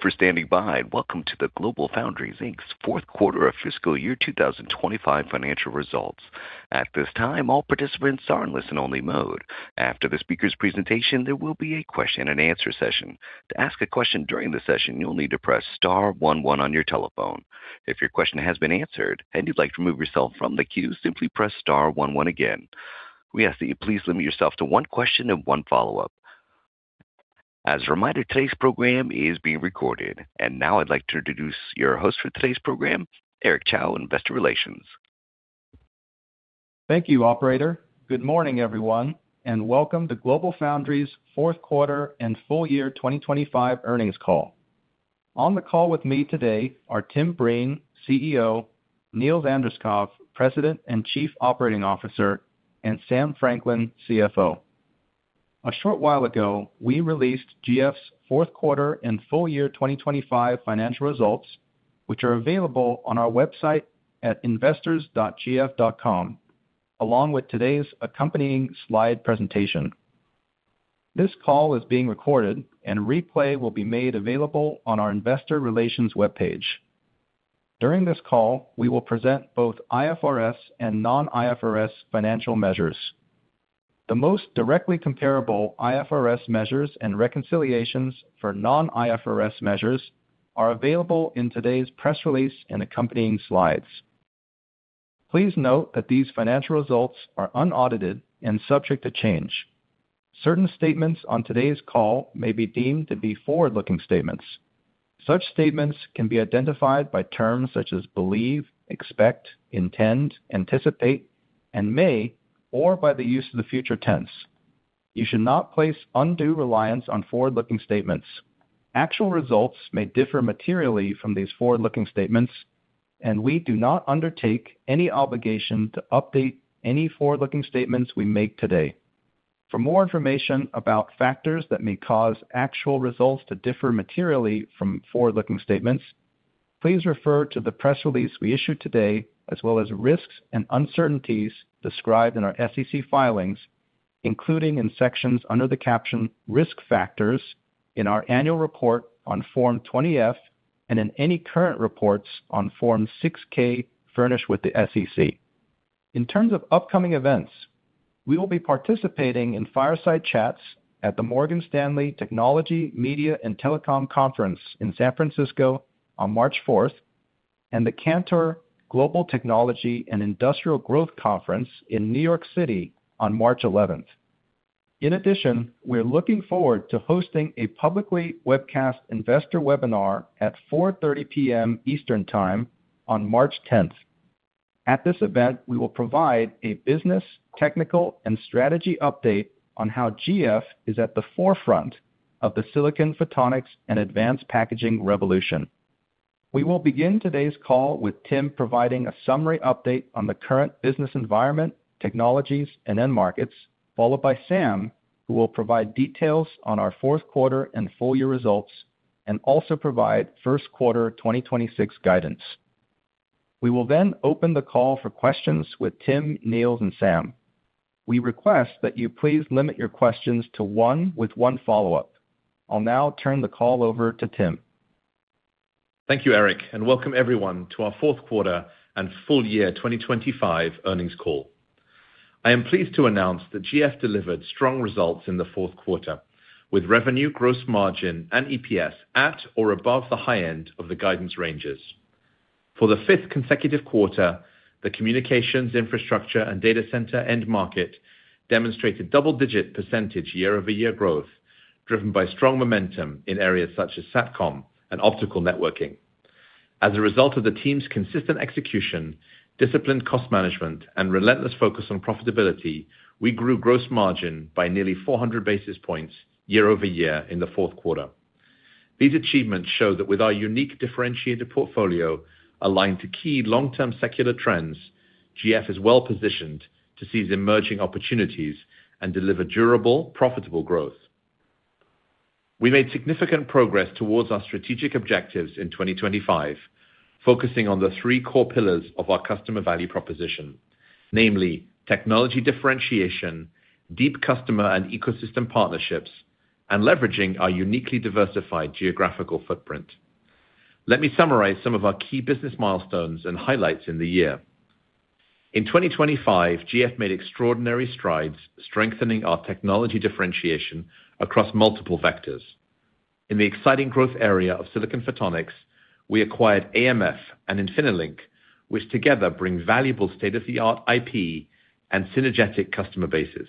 Thank you for standing by, and welcome to the GlobalFoundries Inc.'s Fourth Quarter of Fiscal Year 2025 Financial Results. At this time, all participants are in listen-only mode. After the speaker's presentation, there will be a question-and-answer session. To ask a question during the session, you'll need to press star one one on your telephone. If your question has been answered and you'd like to remove yourself from the queue, simply press star one one again. We ask that you please limit yourself to one question and one follow-up. As a reminder, today's program is being recorded. And now I'd like to introduce your host for today's program, Eric Chow, Investor Relations. Thank you, operator. Good morning, everyone, and welcome to GlobalFoundries' fourth quarter and full year 2025 earnings call. On the call with me today are Tim Breen, CEO, Niels Anderskouv, President and Chief Operating Officer, and Sam Franklin, CFO. A short while ago, we released GF's fourth quarter and full year 2025 financial results, which are available on our website at investors.gf.com, along with today's accompanying slide presentation. This call is being recorded, and replay will be made available on our Investor Relations webpage. During this call, we will present both IFRS and non-IFRS financial measures. The most directly comparable IFRS measures and reconciliations for non-IFRS measures are available in today's press release and accompanying slides. Please note that these financial results are unaudited and subject to change. Certain statements on today's call may be deemed to be forward-looking statements. Such statements can be identified by terms such as believe, expect, intend, anticipate, and may, or by the use of the future tense. You should not place undue reliance on forward-looking statements. Actual results may differ materially from these forward-looking statements, and we do not undertake any obligation to update any forward-looking statements we make today. For more information about factors that may cause actual results to differ materially from forward-looking statements, please refer to the press release we issued today as well as risks and uncertainties described in our SEC filings, including in sections under the caption "Risk Factors" in our annual report on Form 20-F and in any current reports on Form 6-K furnished with the SEC. In terms of upcoming events, we will be participating in fireside chats at the Morgan Stanley Technology, Media, and Telecom Conference in San Francisco on March 4th and the Cantor Global Technology and Industrial Growth Conference in New York City on March 11th. In addition, we're looking forward to hosting a publicly webcast investor webinar at 4:30 P.M. Eastern Time on March 10th. At this event, we will provide a business, technical, and strategy update on how GF is at the forefront of the silicon photonics and advanced packaging revolution. We will begin today's call with Tim providing a summary update on the current business environment, technologies, and end markets, followed by Sam, who will provide details on our fourth quarter and full year results and also provide first quarter 2026 guidance. We will then open the call for questions with Tim, Niels, and Sam. We request that you please limit your questions to one with one follow-up. I'll now turn the call over to Tim. Thank you, Eric, and welcome everyone to our fourth quarter and full year 2025 earnings call. I am pleased to announce that GF delivered strong results in the fourth quarter, with revenue, gross margin, and EPS at or above the high end of the guidance ranges. For the fifth consecutive quarter, the communications, infrastructure, and data center end market demonstrated double-digit percentage year-over-year growth, driven by strong momentum in areas such as satcom and optical networking. As a result of the team's consistent execution, disciplined cost management, and relentless focus on profitability, we grew gross margin by nearly 400 basis points year-over-year in the fourth quarter. These achievements show that with our unique differentiated portfolio aligned to key long-term secular trends, GF is well-positioned to seize emerging opportunities and deliver durable, profitable growth. We made significant progress towards our strategic objectives in 2025, focusing on the three core pillars of our customer value proposition, namely technology differentiation, deep customer and ecosystem partnerships, and leveraging our uniquely diversified geographical footprint. Let me summarize some of our key business milestones and highlights in the year. In 2025, GF made extraordinary strides strengthening our technology differentiation across multiple vectors. In the exciting growth area of silicon photonics, we acquired AMF and InfiniLink, which together bring valuable state-of-the-art IP and synergetic customer bases.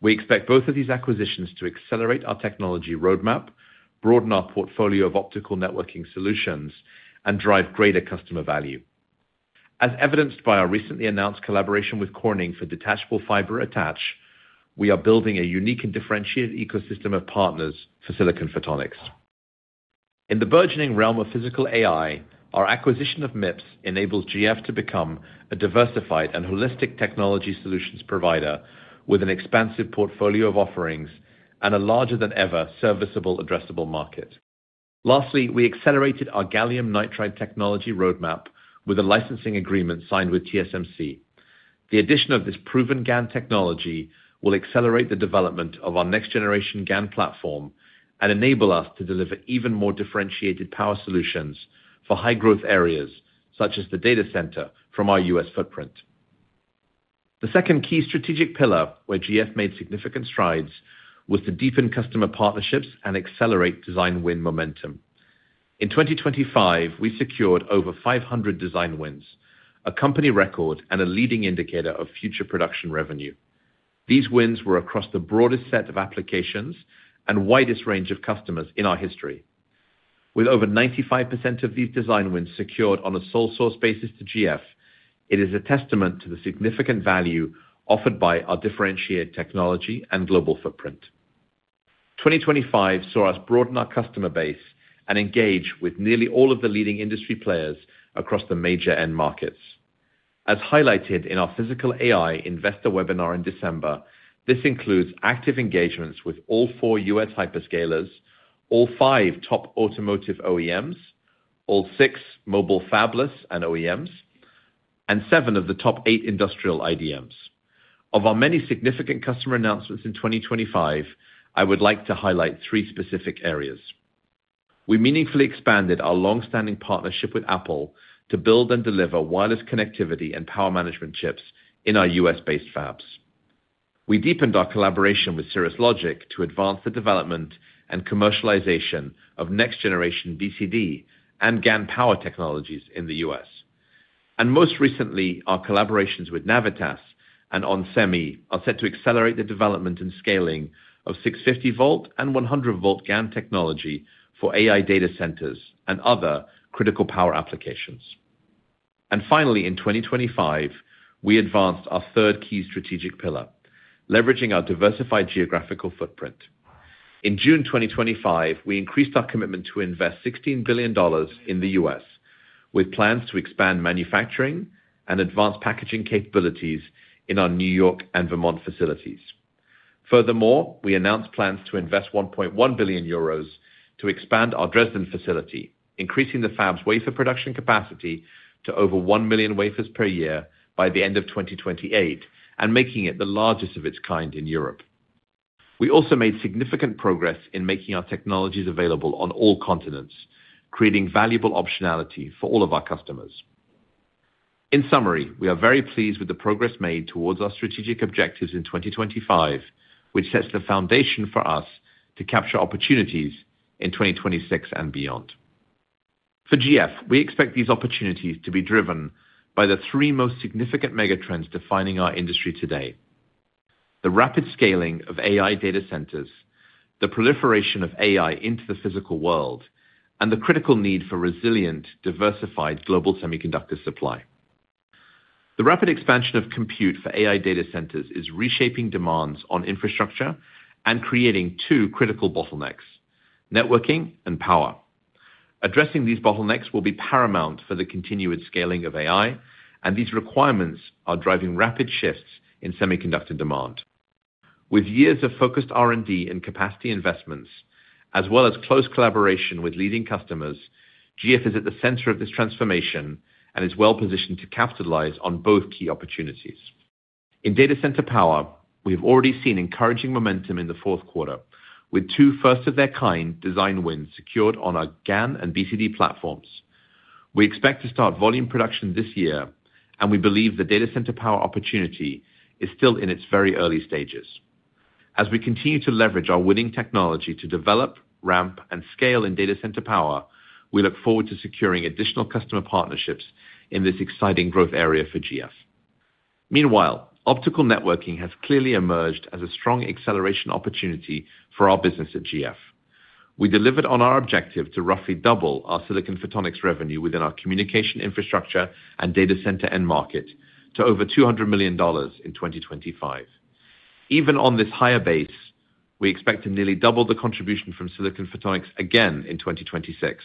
We expect both of these acquisitions to accelerate our technology roadmap, broaden our portfolio of optical networking solutions, and drive greater customer value. As evidenced by our recently announced collaboration with Corning for detachable fiber attach, we are building a unique and differentiated ecosystem of partners for silicon photonics. In the burgeoning realm of physical AI, our acquisition of MIPS enables GF to become a diversified and holistic technology solutions provider with an expansive portfolio of offerings and a larger-than-ever serviceable addressable market. Lastly, we accelerated our gallium nitride technology roadmap with a licensing agreement signed with TSMC. The addition of this proven GaN technology will accelerate the development of our next-generation GaN platform and enable us to deliver even more differentiated power solutions for high-growth areas such as the data center from our U.S. footprint. The second key strategic pillar where GF made significant strides was to deepen customer partnerships and accelerate design win momentum. In 2025, we secured over 500 design wins, a company record and a leading indicator of future production revenue. These wins were across the broadest set of applications and widest range of customers in our history. With over 95% of these design wins secured on a sole-source basis to GF, it is a testament to the significant value offered by our differentiated technology and global footprint. 2025 saw us broaden our customer base and engage with nearly all of the leading industry players across the major end markets. As highlighted in our physical AI investor webinar in December, this includes active engagements with all four U.S. hyperscalers, all five top automotive OEMs, all six mobile fabless and OEMs, and seven of the top eight industrial IDMs. Of our many significant customer announcements in 2025, I would like to highlight three specific areas. We meaningfully expanded our longstanding partnership with Apple to build and deliver wireless connectivity and power management chips in our U.S.-based fabs. We deepened our collaboration with Cirrus Logic to advance the development and commercialization of next-generation VCD and GaN power technologies in the U.S. And most recently, our collaborations with Navitas and onsemi are set to accelerate the development and scaling of 650-volt and 100-volt GaN technology for AI data centers and other critical power applications. And finally, in 2025, we advanced our third key strategic pillar: leveraging our diversified geographical footprint. In June 2025, we increased our commitment to invest $16 billion in the U.S., with plans to expand manufacturing and advanced packaging capabilities in our New York and Vermont facilities. Furthermore, we announced plans to invest 1.1 billion euros to expand our Dresden facility, increasing the fab's wafer production capacity to over 1 million wafers per year by the end of 2028 and making it the largest of its kind in Europe. We also made significant progress in making our technologies available on all continents, creating valuable optionality for all of our customers. In summary, we are very pleased with the progress made towards our strategic objectives in 2025, which sets the foundation for us to capture opportunities in 2026 and beyond. For GF, we expect these opportunities to be driven by the three most significant megatrends defining our industry today: the rapid scaling of AI data centers, the proliferation of AI into the physical world, and the critical need for resilient, diversified global semiconductor supply. The rapid expansion of compute for AI data centers is reshaping demands on infrastructure and creating two critical bottlenecks: networking and power. Addressing these bottlenecks will be paramount for the continued scaling of AI, and these requirements are driving rapid shifts in semiconductor demand. With years of focused R&D and capacity investments, as well as close collaboration with leading customers, GF is at the center of this transformation and is well-positioned to capitalize on both key opportunities. In data center power, we have already seen encouraging momentum in the fourth quarter, with 2 first-of-their-kind design wins secured on our GaN and VCD platforms. We expect to start volume production this year, and we believe the data center power opportunity is still in its very early stages. As we continue to leverage our winning technology to develop, ramp, and scale in data center power, we look forward to securing additional customer partnerships in this exciting growth area for GF. Meanwhile, optical networking has clearly emerged as a strong acceleration opportunity for our business at GF. We delivered on our objective to roughly double our silicon photonics revenue within our communication infrastructure and data center end market to over $200 million in 2025. Even on this higher base, we expect to nearly double the contribution from silicon photonics again in 2026,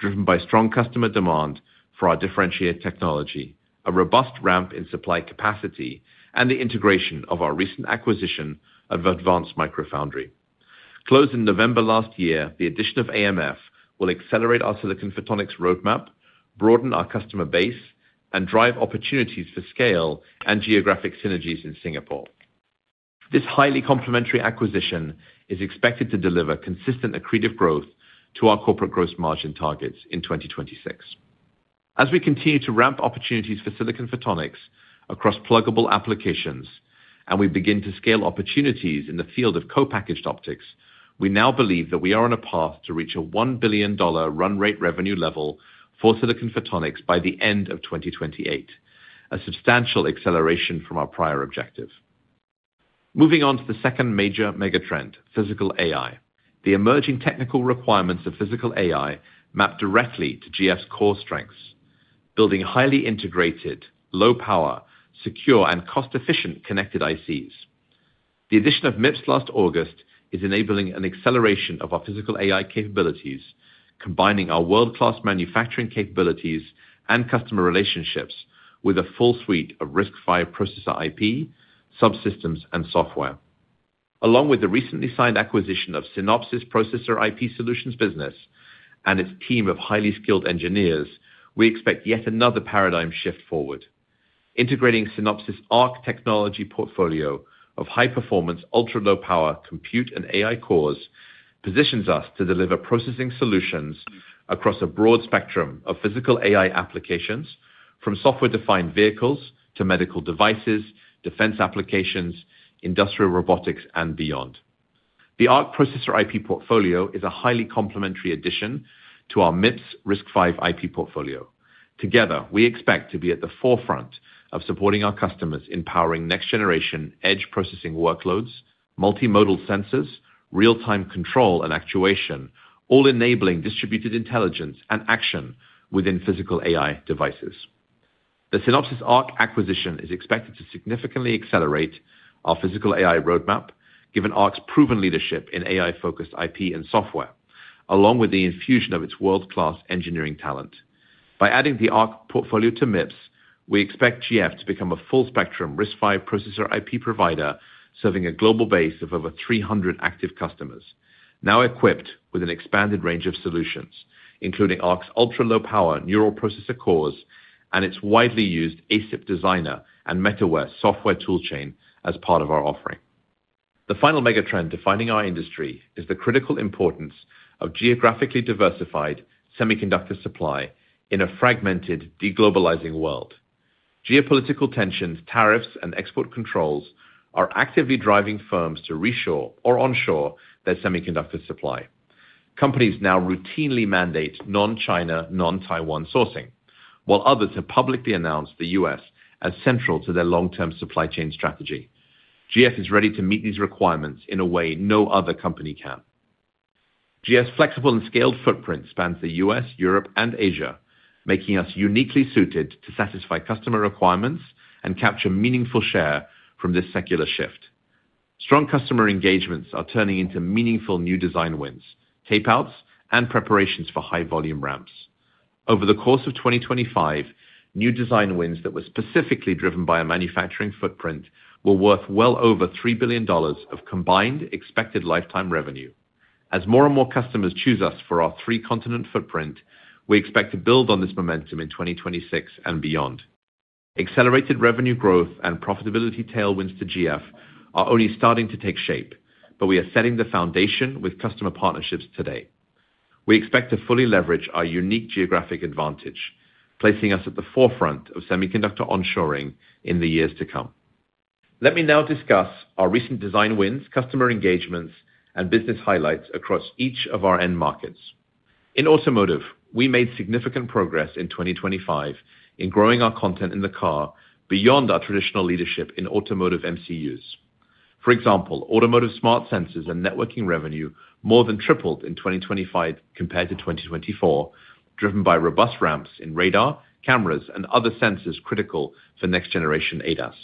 driven by strong customer demand for our differentiated technology, a robust ramp in supply capacity, and the integration of our recent acquisition of Advanced Micro Foundry. Closed in November last year, the addition of AMF will accelerate our silicon photonics roadmap, broaden our customer base, and drive opportunities for scale and geographic synergies in Singapore. This highly complementary acquisition is expected to deliver consistent accretive growth to our corporate gross margin targets in 2026. As we continue to ramp opportunities for silicon photonics across pluggable applications, and we begin to scale opportunities in the field of co-packaged optics, we now believe that we are on a path to reach a $1 billion run-rate revenue level for silicon photonics by the end of 2028, a substantial acceleration from our prior objective. Moving on to the second major megatrend: physical AI. The emerging technical requirements of physical AI map directly to GF's core strengths: building highly integrated, low-power, secure, and cost-efficient connected ICs. The addition of MIPS last August is enabling an acceleration of our physical AI capabilities, combining our world-class manufacturing capabilities and customer relationships with a full suite of RISC-V processor IP, subsystems, and software. Along with the recently signed acquisition of Synopsys Processor IP Solutions Business and its team of highly skilled engineers, we expect yet another paradigm shift forward. Integrating Synopsys Arc technology portfolio of high-performance, ultra-low-power compute and AI cores positions us to deliver processing solutions across a broad spectrum of physical AI applications, from software-defined vehicles to medical devices, defense applications, industrial robotics, and beyond. The Arc processor IP portfolio is a highly complementary addition to our MIPS RISC-V IP portfolio. Together, we expect to be at the forefront of supporting our customers in powering next-generation edge processing workloads, multimodal sensors, real-time control and actuation, all enabling distributed intelligence and action within physical AI devices. The Synopsys Arc acquisition is expected to significantly accelerate our physical AI roadmap, given Arc's proven leadership in AI-focused IP and software, along with the infusion of its world-class engineering talent. By adding the Arc portfolio to MIPS, we expect GF to become a full-spectrum RISC-V processor IP provider serving a global base of over 300 active customers, now equipped with an expanded range of solutions, including Arc's ultra-low-power neural processor cores and its widely used ASIP Designer and MetaWare software toolchain as part of our offering. The final megatrend defining our industry is the critical importance of geographically diversified semiconductor supply in a fragmented, deglobalizing world. Geopolitical tensions, tariffs, and export controls are actively driving firms to reshore or onshore their semiconductor supply. Companies now routinely mandate non-China, non-Taiwan sourcing, while others have publicly announced the U.S. as central to their long-term supply chain strategy. GF is ready to meet these requirements in a way no other company can. GF's flexible and scaled footprint spans the U.S., Europe, and Asia, making us uniquely suited to satisfy customer requirements and capture meaningful share from this secular shift. Strong customer engagements are turning into meaningful new design wins, tapeouts, and preparations for high-volume ramps. Over the course of 2025, new design wins that were specifically driven by our manufacturing footprint will be worth well over $3 billion of combined expected lifetime revenue. As more and more customers choose us for our three-continent footprint, we expect to build on this momentum in 2026 and beyond. Accelerated revenue growth and profitability tailwinds to GF are only starting to take shape, but we are setting the foundation with customer partnerships today. We expect to fully leverage our unique geographic advantage, placing us at the forefront of semiconductor onshoring in the years to come. Let me now discuss our recent design wins, customer engagements, and business highlights across each of our end markets. In automotive, we made significant progress in 2025 in growing our content in the car beyond our traditional leadership in automotive MCUs. For example, automotive smart sensors and networking revenue more than tripled in 2025 compared to 2024, driven by robust ramps in radar, cameras, and other sensors critical for next-generation ADAS.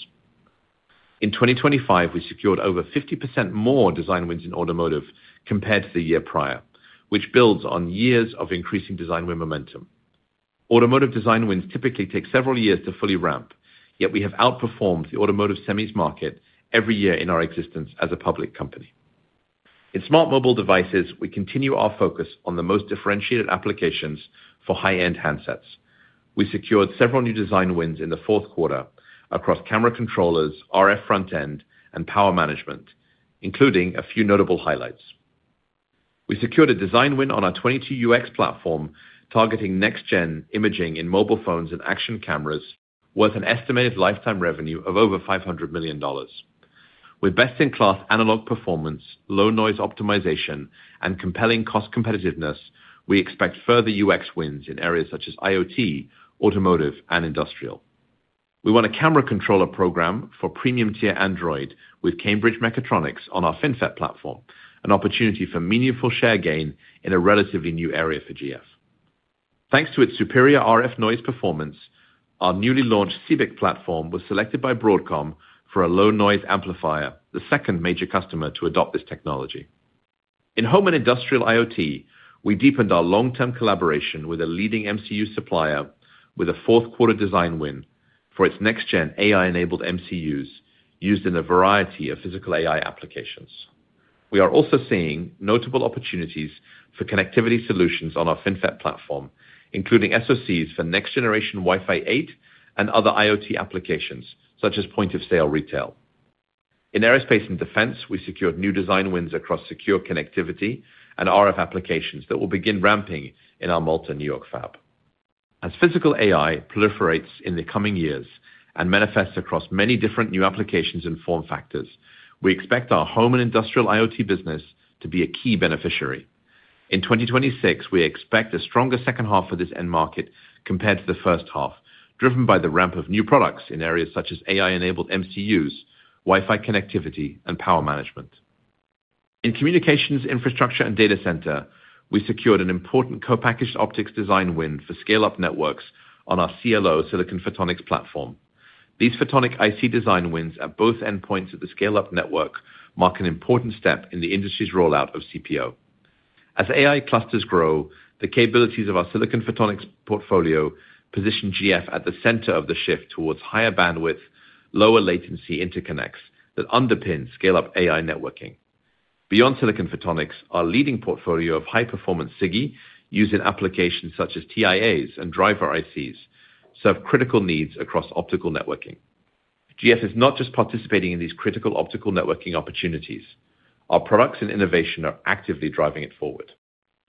In 2025, we secured over 50% more design wins in automotive compared to the year prior, which builds on years of increasing design win momentum. Automotive design wins typically take several years to fully ramp, yet we have outperformed the automotive semis market every year in our existence as a public company. In smart mobile devices, we continue our focus on the most differentiated applications for high-end handsets. We secured several new design wins in the fourth quarter across camera controllers, RF front-end, and power management, including a few notable highlights. We secured a design win on our 22UX platform targeting next-gen imaging in mobile phones and action cameras worth an estimated lifetime revenue of over $500 million. With best-in-class analog performance, low noise optimization, and compelling cost competitiveness, we expect further UX wins in areas such as IoT, automotive, and industrial. We won a camera controller program for premium-tier Android with Cambridge Mechatronics on our FinFET platform, an opportunity for meaningful share gain in a relatively new area for GF. Thanks to its superior RF noise performance, our newly launched CBIC platform was selected by Broadcom for a low-noise amplifier, the second major customer to adopt this technology. In home and industrial IoT, we deepened our long-term collaboration with a leading MCU supplier with a fourth-quarter design win for its next-gen AI-enabled MCUs used in a variety of physical AI applications. We are also seeing notable opportunities for connectivity solutions on our FinFET platform, including SoCs for next-generation Wi-Fi 8 and other IoT applications such as point-of-sale retail. In aerospace and defense, we secured new design wins across secure connectivity and RF applications that will begin ramping in our Malta, New York fab. As physical AI proliferates in the coming years and manifests across many different new applications and form factors, we expect our home and industrial IoT business to be a key beneficiary. In 2026, we expect a stronger second half for this end market compared to the first half, driven by the ramp of new products in areas such as AI-enabled MCUs, Wi-Fi connectivity, and power management. In communications infrastructure and data center, we secured an important co-packaged optics design win for scale-up networks on our CLO silicon photonics platform. These photonic IC design wins at both endpoints of the scale-up network mark an important step in the industry's rollout of CPO. As AI clusters grow, the capabilities of our silicon photonics portfolio position GF at the center of the shift towards higher bandwidth, lower latency interconnects that underpin scale-up AI networking. Beyond silicon photonics, our leading portfolio of high-performance SiGe used in applications such as TIAs and driver ICs serve critical needs across optical networking. GF is not just participating in these critical optical networking opportunities. Our products and innovation are actively driving it forward.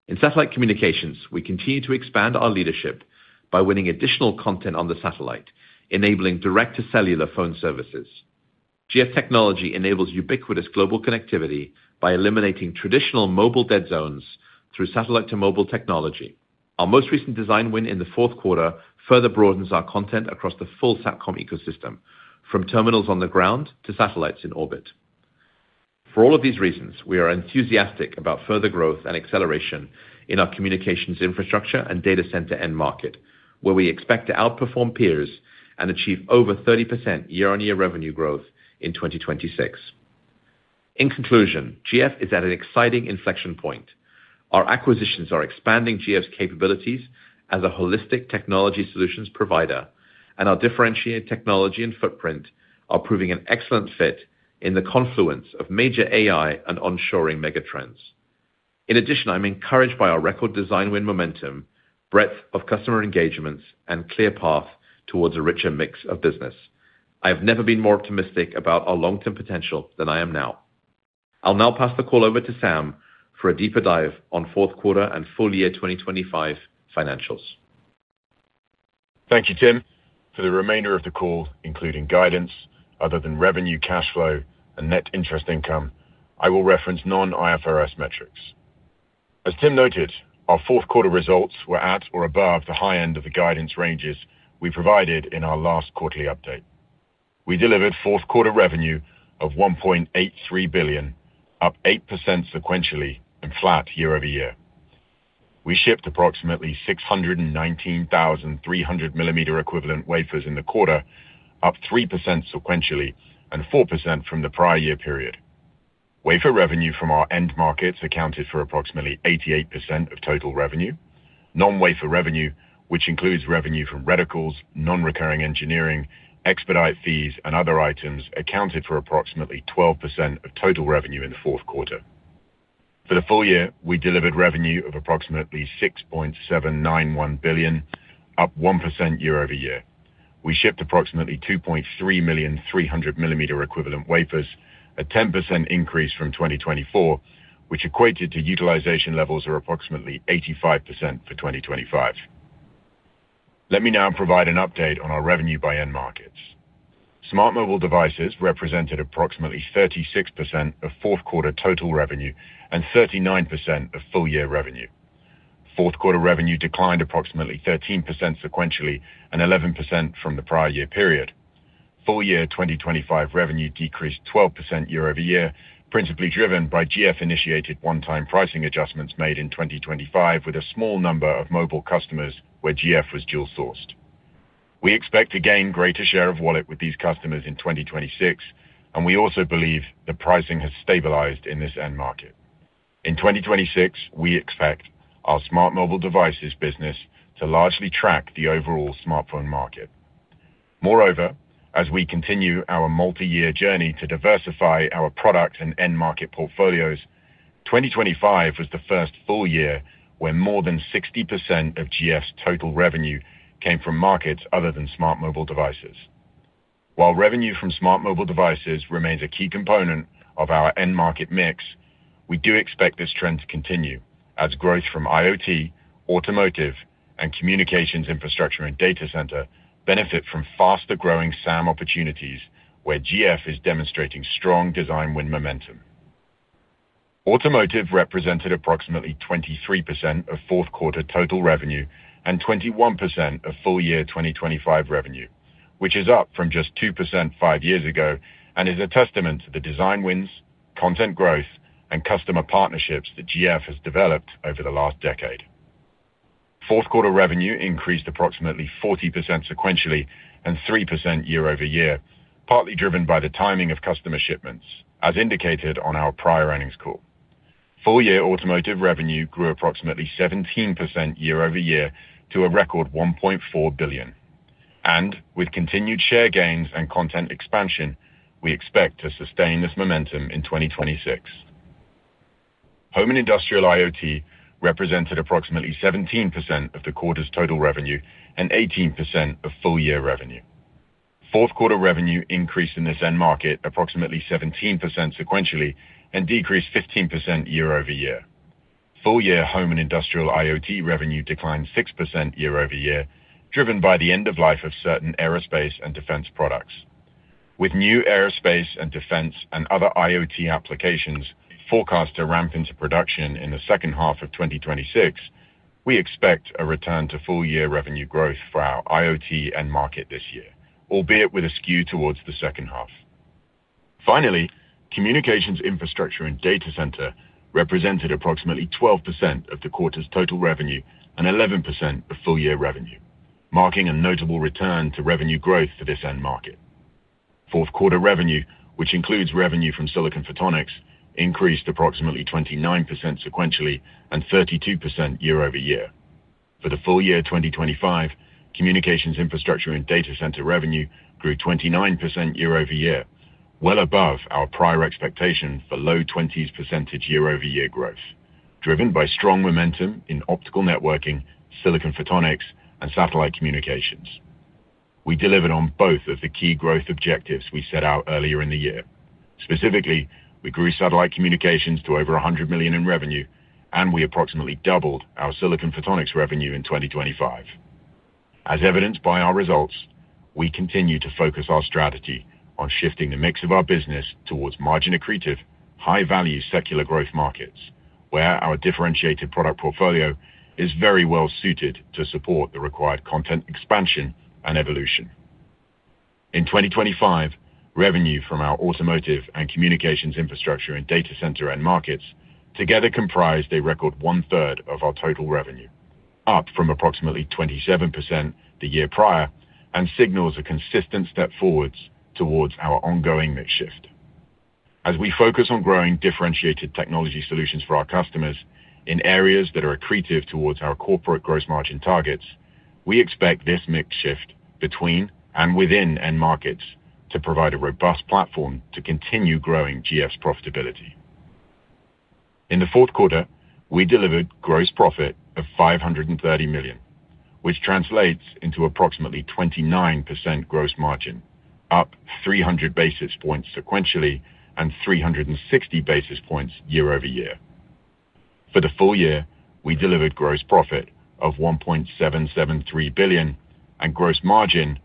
In satellite communications, we continue to expand our leadership by winning additional content on the satellite, enabling direct-to-cellular phone services. GF technology enables ubiquitous global connectivity by eliminating traditional mobile dead zones through satellite-to-mobile technology. Our most recent design win in the fourth quarter further broadens our content across the full SATCOM ecosystem, from terminals on the ground to satellites in orbit. For all of these reasons, we are enthusiastic about further growth and acceleration in our communications infrastructure and data center end market, where we expect to outperform peers and achieve over 30% year-on-year revenue growth in 2026. In conclusion, GF is at an exciting inflection point. Our acquisitions are expanding GF's capabilities as a holistic technology solutions provider, and our differentiated technology and footprint are proving an excellent fit in the confluence of major AI and onshoring megatrends. In addition, I'm encouraged by our record design win momentum, breadth of customer engagements, and clear path towards a richer mix of business. I have never been more optimistic about our long-term potential than I am now. I'll now pass the call over to Sam for a deeper dive on fourth quarter and full-year 2025 financials. Thank you, Tim. For the remainder of the call, including guidance other than revenue, cash flow, and net interest income, I will reference non-IFRS metrics. As Tim noted, our fourth quarter results were at or above the high end of the guidance ranges we provided in our last quarterly update. We delivered fourth quarter revenue of $1.83 billion, up 8% sequentially and flat year-over-year. We shipped approximately 619,300 mm2 equivalent wafers in the quarter, up 3% sequentially and 4% from the prior year period. Wafer revenue from our end markets accounted for approximately 88% of total revenue. Non-wafer revenue, which includes revenue from reticles, non-recurring engineering, expedite fees, and other items, accounted for approximately 12% of total revenue in the fourth quarter. For the full year, we delivered revenue of approximately $6.791 billion, up 1% year-over-year. We shipped approximately 2.3 million 300 mm2 equivalent wafers, a 10% increase from 2024, which equated to utilization levels of approximately 85% for 2025. Let me now provide an update on our revenue by end markets. Smart mobile devices represented approximately 36% of fourth quarter total revenue and 39% of full-year revenue. Fourth quarter revenue declined approximately 13% sequentially and 11% from the prior year period. Full-year 2025 revenue decreased 12% year-over-year, principally driven by GF-initiated one-time pricing adjustments made in 2025 with a small number of mobile customers where GF was dual-sourced. We expect to gain greater share of wallet with these customers in 2026, and we also believe the pricing has stabilized in this end market. In 2026, we expect our smart mobile devices business to largely track the overall smartphone market. Moreover, as we continue our multi-year journey to diversify our product and end-market portfolios, 2025 was the first full year where more than 60% of GF's total revenue came from markets other than smart mobile devices. While revenue from smart mobile devices remains a key component of our end-market mix, we do expect this trend to continue as growth from IoT, automotive, and communications infrastructure and data center benefit from faster-growing SAM opportunities where GF is demonstrating strong design win momentum. Automotive represented approximately 23% of fourth quarter total revenue and 21% of full-year 2025 revenue, which is up from just 2% five years ago and is a testament to the design wins, content growth, and customer partnerships that GF has developed over the last decade. Fourth quarter revenue increased approximately 40% sequentially and 3% year-over-year, partly driven by the timing of customer shipments, as indicated on our prior earnings call. Full-year automotive revenue grew approximately 17% year-over-year to a record $1.4 billion. With continued share gains and content expansion, we expect to sustain this momentum in 2026. Home and industrial IoT represented approximately 17% of the quarter's total revenue and 18% of full-year revenue. Fourth quarter revenue increased in this end market approximately 17% sequentially and decreased 15% year-over-year. Full-year home and industrial IoT revenue declined 6% year-over-year, driven by the end-of-life of certain aerospace and defense products. With new aerospace and defense and other IoT applications forecast to ramp into production in the second half of 2026, we expect a return to full-year revenue growth for our IoT end market this year, albeit with a skew towards the second half. Finally, communications infrastructure and data center represented approximately 12% of the quarter's total revenue and 11% of full-year revenue, marking a notable return to revenue growth for this end market. Fourth quarter revenue, which includes revenue from silicon photonics, increased approximately 29% sequentially and 32% year-over-year. For the full year 2025, communications infrastructure and data center revenue grew 29% year-over-year, well above our prior expectation for low 20s% year-over-year growth, driven by strong momentum in optical networking, silicon photonics, and satellite communications. We delivered on both of the key growth objectives we set out earlier in the year. Specifically, we grew satellite communications to over $100 million in revenue, and we approximately doubled our silicon photonics revenue in 2025. As evidenced by our results, we continue to focus our strategy on shifting the mix of our business towards margin-accretive, high-value secular growth markets, where our differentiated product portfolio is very well suited to support the required content expansion and evolution. In 2025, revenue from our automotive and communications infrastructure and data center end markets together comprised a record one-third of our total revenue, up from approximately 27% the year prior and signals a consistent step forward towards our ongoing mix shift. As we focus on growing differentiated technology solutions for our customers in areas that are accretive towards our corporate gross margin targets, we expect this mix shift between and within end markets to provide a robust platform to continue growing GF's profitability. In the fourth quarter, we delivered gross profit of $530 million, which translates into approximately 29% gross margin, up 300 basis points sequentially and 360 basis points year-over-year. For the full year, we delivered gross profit of $1.773 billion and gross margin of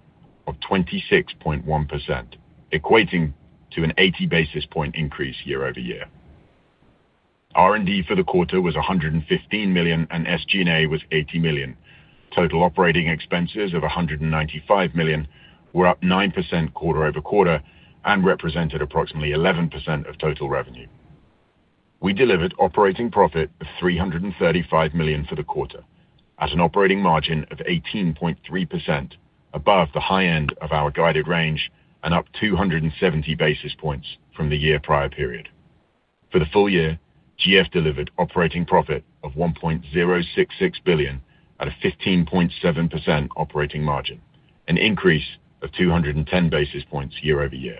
26.1%, equating to an 80 basis point increase year-over-year. R&D for the quarter was $115 million and SG&A was $80 million. Total operating expenses of $195 million were up 9% quarter-over-quarter and represented approximately 11% of total revenue. We delivered operating profit of $335 million for the quarter, at an operating margin of 18.3% above the high end of our guided range and up 270 basis points from the year prior period. For the full year, GF delivered operating profit of $1.066 billion at a 15.7% operating margin, an increase of 210 basis points year-over-year.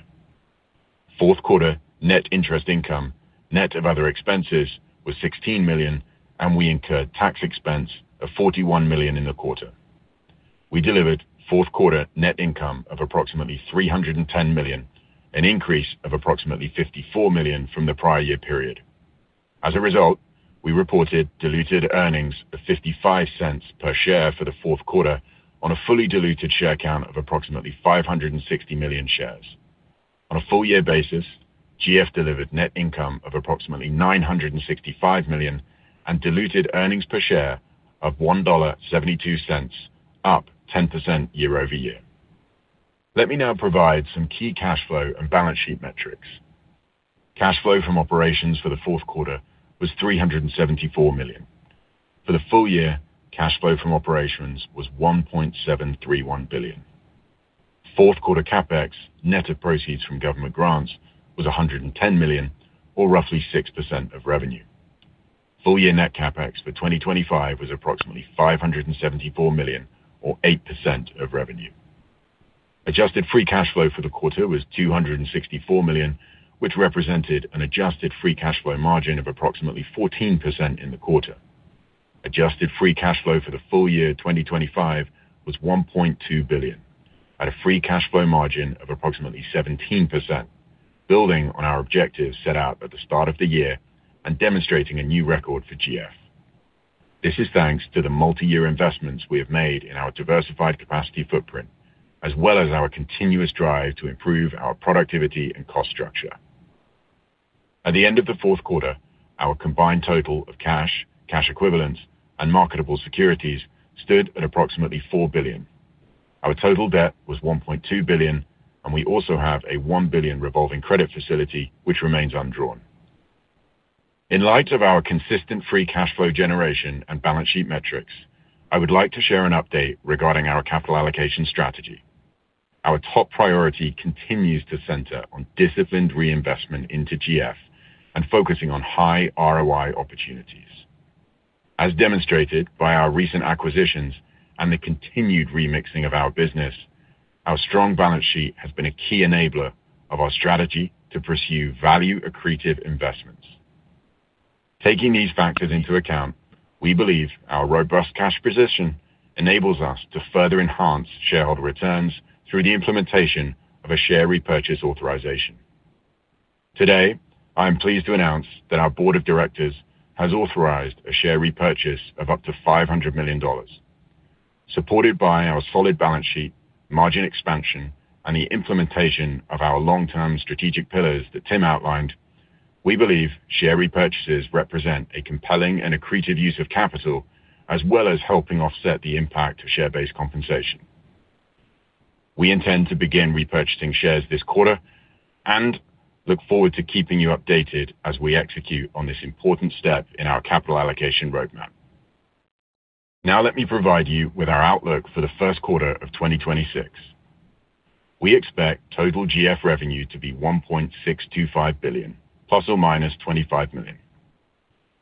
Fourth quarter net interest income, net of other expenses, was $16 million and we incurred tax expense of $41 million in the quarter. We delivered fourth quarter net income of approximately $310 million, an increase of approximately $54 million from the prior year period. As a result, we reported diluted earnings of $0.55 per share for the fourth quarter on a fully diluted share count of approximately 560 million shares. On a full-year basis, GF delivered net income of approximately $965 million and diluted earnings per share of $1.72, up 10% year-over-year. Let me now provide some key cash flow and balance sheet metrics. Cash flow from operations for the fourth quarter was $374 million. For the full year, cash flow from operations was $1.731 billion. Fourth quarter CapEx, net of proceeds from government grants, was $110 million, or roughly 6% of revenue. Full-year net CapEx for 2025 was approximately $574 million, or 8% of revenue. Adjusted free cash flow for the quarter was $264 million, which represented an adjusted free cash flow margin of approximately 14% in the quarter. Adjusted free cash flow for the full year 2025 was $1.2 billion, at a free cash flow margin of approximately 17%, building on our objectives set out at the start of the year and demonstrating a new record for GF. This is thanks to the multi-year investments we have made in our diversified capacity footprint, as well as our continuous drive to improve our productivity and cost structure. At the end of the fourth quarter, our combined total of cash, cash equivalents, and marketable securities stood at approximately $4 billion. Our total debt was $1.2 billion, and we also have a $1 billion revolving credit facility, which remains undrawn. In light of our consistent free cash flow generation and balance sheet metrics, I would like to share an update regarding our capital allocation strategy. Our top priority continues to center on disciplined reinvestment into GF and focusing on high ROI opportunities. As demonstrated by our recent acquisitions and the continued remixing of our business, our strong balance sheet has been a key enabler of our strategy to pursue value-accretive investments. Taking these factors into account, we believe our robust cash position enables us to further enhance shareholder returns through the implementation of a share repurchase authorization. Today, I am pleased to announce that our board of directors has authorized a share repurchase of up to $500 million. Supported by our solid balance sheet, margin expansion, and the implementation of our long-term strategic pillars that Tim outlined, we believe share repurchases represent a compelling and accretive use of capital, as well as helping offset the impact of share-based compensation. We intend to begin repurchasing shares this quarter and look forward to keeping you updated as we execute on this important step in our capital allocation roadmap. Now let me provide you with our outlook for the first quarter of 2026. We expect total GF revenue to be $1.625 billion, ±$25 million.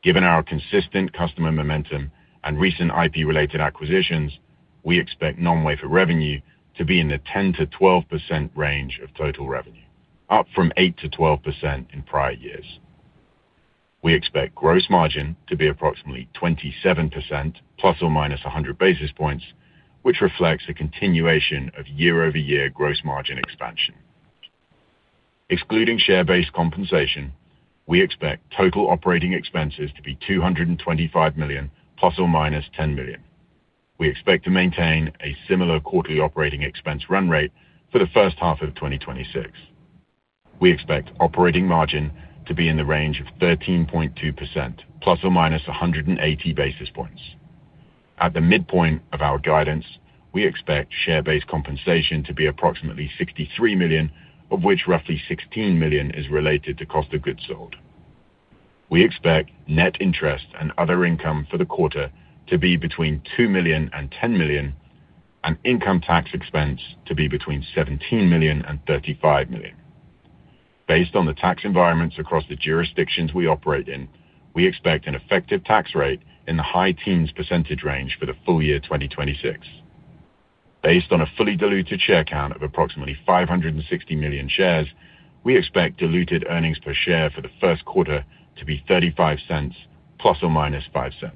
Given our consistent customer momentum and recent IP-related acquisitions, we expect non-wafer revenue to be in the 10%-12% range of total revenue, up from 8%-12% in prior years. We expect gross margin to be approximately 27% ± 100 basis points, which reflects a continuation of year-over-year gross margin expansion. Excluding share-based compensation, we expect total operating expenses to be $225 million ± $10 million. We expect to maintain a similar quarterly operating expense run rate for the first half of 2026. We expect operating margin to be in the range of 13.2% ± 180 basis points. At the midpoint of our guidance, we expect share-based compensation to be approximately $63 million, of which roughly $16 million is related to cost of goods sold. We expect net interest and other income for the quarter to be between $2 million and $10 million, and income tax expense to be between $17 million and $35 million. Based on the tax environments across the jurisdictions we operate in, we expect an effective tax rate in the high teens % range for the full year 2026. Based on a fully diluted share count of approximately 560 million shares, we expect diluted earnings per share for the first quarter to be $0.35 ± $0.05.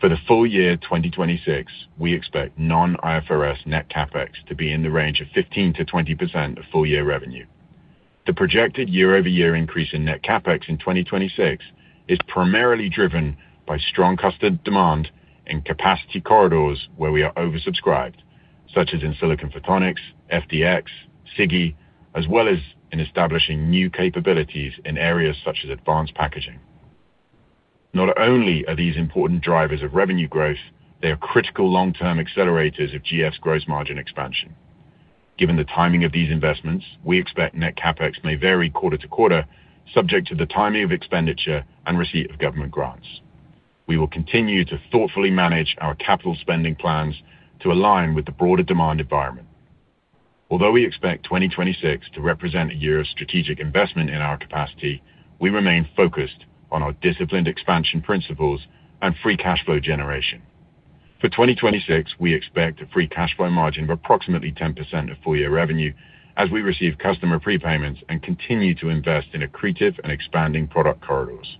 For the full year 2026, we expect non-IFRS net CapEx to be in the range of 15%-20% of full-year revenue. The projected year-over-year increase in net CapEx in 2026 is primarily driven by strong customer demand in capacity corridors where we are oversubscribed, such as in silicon photonics, FDX, SiGe, as well as in establishing new capabilities in areas such as advanced packaging. Not only are these important drivers of revenue growth, they are critical long-term accelerators of GF's gross margin expansion. Given the timing of these investments, we expect net CapEx may vary quarter to quarter, subject to the timing of expenditure and receipt of government grants. We will continue to thoughtfully manage our capital spending plans to align with the broader demand environment. Although we expect 2026 to represent a year of strategic investment in our capacity, we remain focused on our disciplined expansion principles and free cash flow generation. For 2026, we expect a free cash flow margin of approximately 10% of full-year revenue as we receive customer prepayments and continue to invest in accretive and expanding product corridors.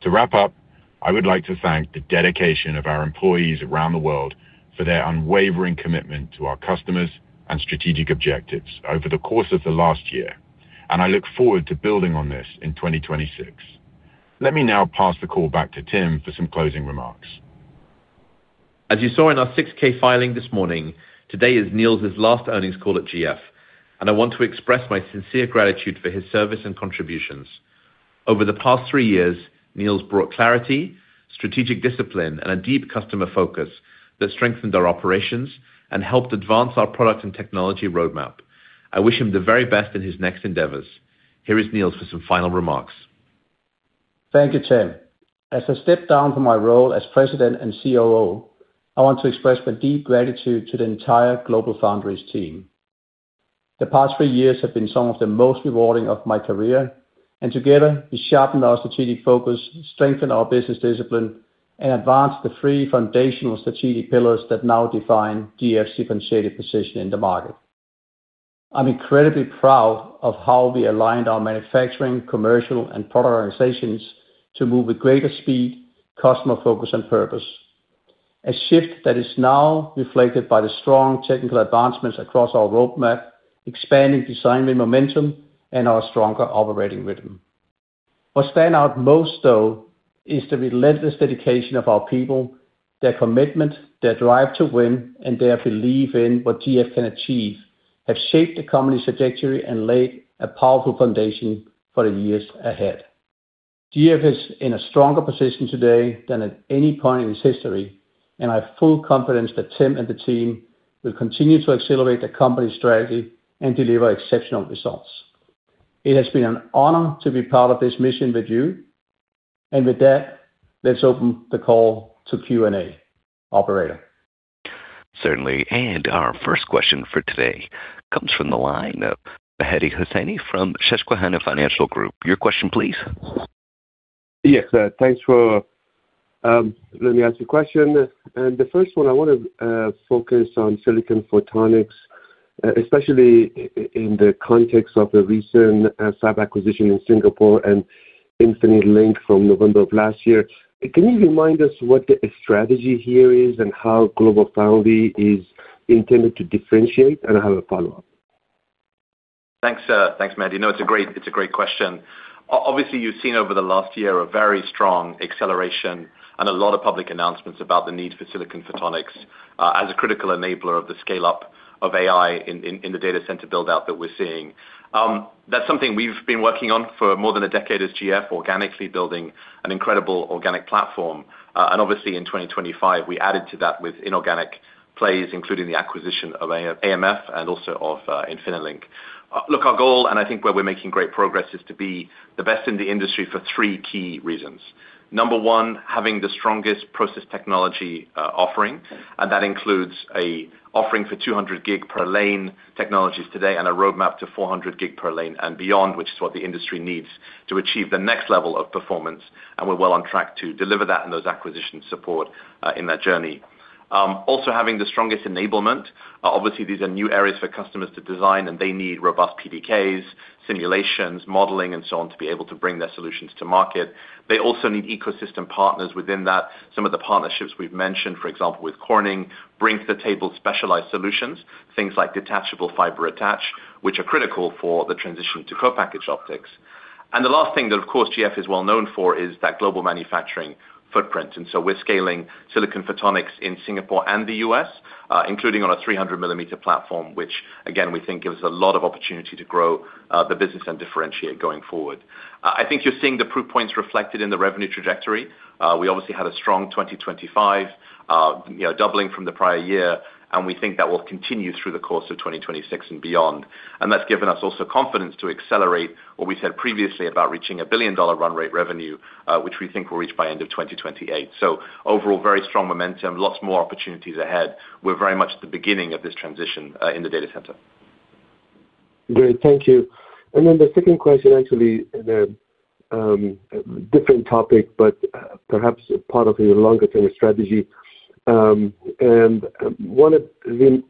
To wrap up, I would like to thank the dedication of our employees around the world for their unwavering commitment to our customers and strategic objectives over the course of the last year, and I look forward to building on this in 2026. Let me now pass the call back to Tim for some closing remarks. As you saw in our 6K filing this morning, today is Niels's last earnings call at GF, and I want to express my sincere gratitude for his service and contributions. Over the past three years, Niels brought clarity, strategic discipline, and a deep customer focus that strengthened our operations and helped advance our product and technology roadmap. I wish him the very best in his next endeavors. Here is Niels for some final remarks. Thank you, Tim. As I step down from my role as President and COO, I want to express my deep gratitude to the entire GlobalFoundries team. The past three years have been some of the most rewarding of my career, and together we sharpened our strategic focus, strengthened our business discipline, and advanced the three foundational strategic pillars that now define GF's differentiated position in the market. I'm incredibly proud of how we aligned our manufacturing, commercial, and product organizations to move with greater speed, customer focus, and purpose, a shift that is now reflected by the strong technical advancements across our roadmap, expanding design-wind momentum, and our stronger operating rhythm. What stands out most, though, is the relentless dedication of our people. Their commitment, their drive to win, and their belief in what GF can achieve have shaped the company's trajectory and laid a powerful foundation for the years ahead. GF is in a stronger position today than at any point in its history, and I have full confidence that Tim and the team will continue to accelerate the company's strategy and deliver exceptional results. It has been an honor to be part of this mission with you, and with that, let's open the call to Q&A, operator. Certainly. And our first question for today comes from the line of Mehdi Hosseini from Susquehanna Financial Group. Your question, please. Yes. Thanks for letting me ask your question. The first one, I want to focus on silicon photonics, especially in the context of the recent AMF acquisition in Singapore and InfiniLink from November of last year. Can you remind us what the strategy here is and how GlobalFoundries is intended to differentiate? And I have a follow-up. Thanks, Mehdi. No, it's a great question. Obviously, you've seen over the last year a very strong acceleration and a lot of public announcements about the need for Silicon Photonics as a critical enabler of the scale-up of AI in the data center build-out that we're seeing. That's something we've been working on for more than a decade as GF, organically building an incredible organic platform. And obviously, in 2025, we added to that with inorganic plays, including the acquisition of AMF and also of InfiniLink. Look, our goal, and I think where we're making great progress, is to be the best in the industry for three key reasons. Number one, having the strongest process technology offering, and that includes an offering for 200 gig per lane technologies today and a roadmap to 400 gig per lane and beyond, which is what the industry needs to achieve the next level of performance. And we're well on track to deliver that and those acquisitions support in that journey. Also, having the strongest enablement. Obviously, these are new areas for customers to design, and they need robust PDKs, simulations, modeling, and so on to be able to bring their solutions to market. They also need ecosystem partners within that. Some of the partnerships we've mentioned, for example, with Corning, bring to the table specialized solutions, things like detachable fiber attach, which are critical for the transition to co-package optics. And the last thing that, of course, GF is well known for is that global manufacturing footprint. And so we're scaling silicon photonics in Singapore and the U.S., including on a 300-millimeter platform, which, again, we think gives us a lot of opportunity to grow the business and differentiate going forward. I think you're seeing the proof points reflected in the revenue trajectory. We obviously had a strong 2025, doubling from the prior year, and we think that will continue through the course of 2026 and beyond. And that's given us also confidence to accelerate what we said previously about reaching a billion-dollar run-rate revenue, which we think we'll reach by end of 2028. So overall, very strong momentum, lots more opportunities ahead. We're very much at the beginning of this transition in the data center. Great. Thank you. And then the second question, actually, in a different topic, but perhaps part of a longer-term strategy. And one of the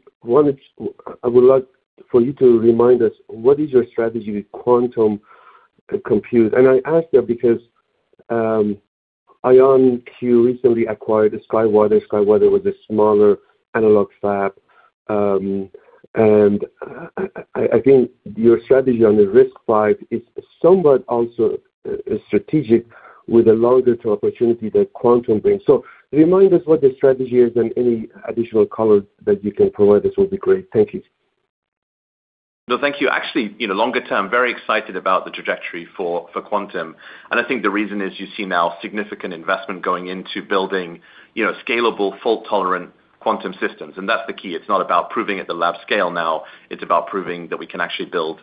I would like for you to remind us, what is your strategy with quantum compute? And I ask that because IonQ recently acquired a SkyWater. SkyWater was a smaller analog fab. And I think your strategy on the risk side is somewhat also strategic with a longer-term opportunity that quantum brings. So remind us what the strategy is, and any additional color that you can provide us will be great. Thank you. No, thank you. Actually, longer-term, very excited about the trajectory for quantum. And I think the reason is you see now significant investment going into building scalable, fault-tolerant quantum systems. And that's the key. It's not about proving at the lab scale now. It's about proving that we can actually build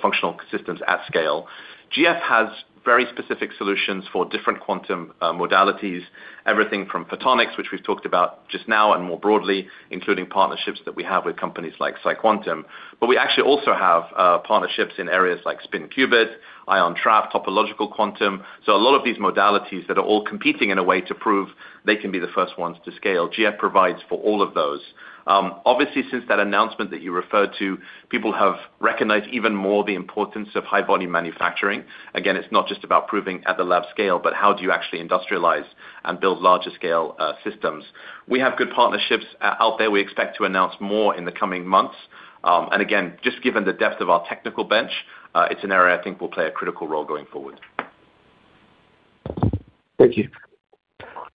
functional systems at scale. GF has very specific solutions for different quantum modalities, everything from photonics, which we've talked about just now, and more broadly, including partnerships that we have with companies like SiQuanTum. But we actually also have partnerships in areas like spin qubit, ion trap, topological quantum. So a lot of these modalities that are all competing in a way to prove they can be the first ones to scale, GF provides for all of those. Obviously, since that announcement that you referred to, people have recognized even more the importance of high-volume manufacturing. Again, it's not just about proving at the lab scale, but how do you actually industrialize and build larger-scale systems? We have good partnerships out there. We expect to announce more in the coming months. And again, just given the depth of our technical bench, it's an area I think will play a critical role going forward. Thank you.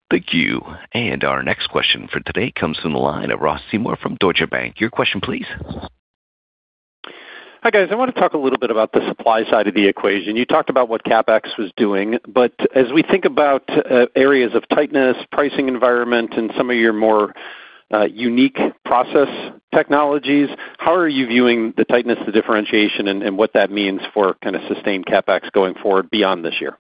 Thank you. And our next question for today comes from the line of Ross Seymore from Deutsche Bank. Your question, please. Hi, guys. I want to talk a little bit about the supply side of the equation. You talked about what CapEx was doing. But as we think about areas of tightness, pricing environment, and some of your more unique process technologies, how are you viewing the tightness, the differentiation, and what that means for kind of sustained CapEx going forward beyond this year?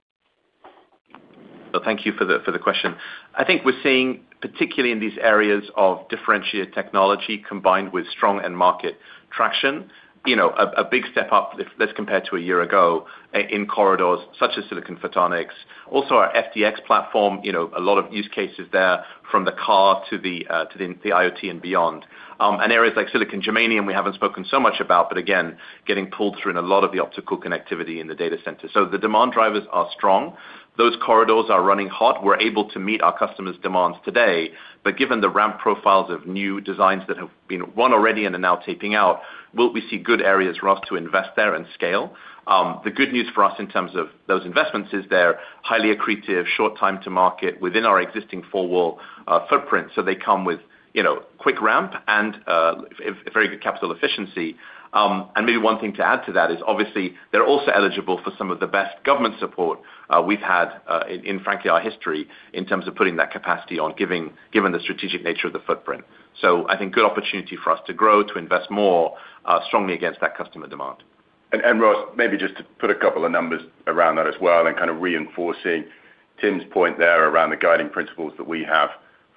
So thank you for the question. I think we're seeing, particularly in these areas of differentiated technology combined with strong end-market traction, a big step up, let's compare to a year ago, in corridors such as silicon photonics. Also, our FDX platform, a lot of use cases there from the car to the IoT and beyond. And areas like silicon germanium, we haven't spoken so much about, but again, getting pulled through in a lot of the optical connectivity in the data center. So the demand drivers are strong. Those corridors are running hot. We're able to meet our customers' demands today. But given the ramp profiles of new designs that have been one already and are now taping out, we see good areas for us to invest there and scale. The good news for us in terms of those investments is they're highly accretive, short time to market within our existing four-wall footprint. So they come with quick ramp and very good capital efficiency. And maybe one thing to add to that is, obviously, they're also eligible for some of the best government support we've had in, frankly, our history in terms of putting that capacity on, given the strategic nature of the footprint. So I think good opportunity for us to grow, to invest more strongly against that customer demand. Ross, maybe just to put a couple of numbers around that as well and kind of reinforcing Tim's point there around the guiding principles that we have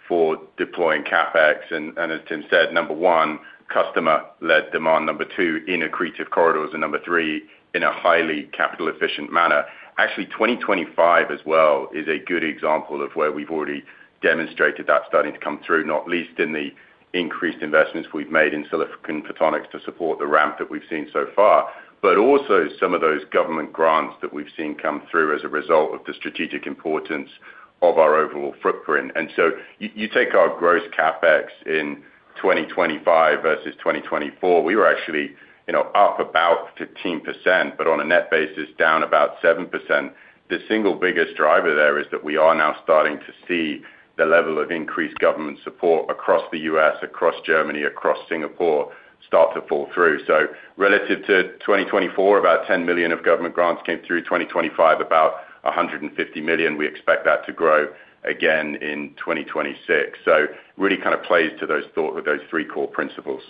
for deploying CapEx. As Tim said, number one, customer-led demand. Number two, in accretive corridors. And number three, in a highly capital-efficient manner. Actually, 2025 as well is a good example of where we've already demonstrated that starting to come through, not least in the increased investments we've made in Silicon Photonics to support the ramp that we've seen so far, but also some of those government grants that we've seen come through as a result of the strategic importance of our overall footprint. And so you take our gross CapEx in 2025 versus 2024, we were actually up about 15%, but on a net basis, down about 7%. The single biggest driver there is that we are now starting to see the level of increased government support across the U.S., across Germany, across Singapore start to fall through. So relative to 2024, about $10 million of government grants came through. 2025, about $150 million. We expect that to grow again in 2026. So it really kind of plays to those three core principles.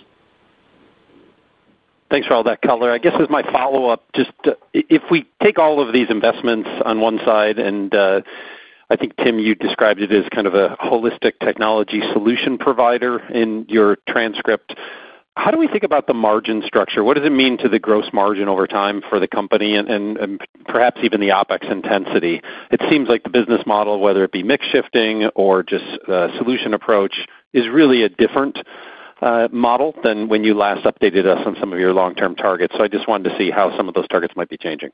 Thanks for all that color. I guess as my follow-up, just if we take all of these investments on one side and I think, Tim, you described it as kind of a holistic technology solution provider in your transcript. How do we think about the margin structure? What does it mean to the gross margin over time for the company and perhaps even the OpEx intensity? It seems like the business model, whether it be mix-shifting or just the solution approach, is really a different model than when you last updated us on some of your long-term targets. So I just wanted to see how some of those targets might be changing.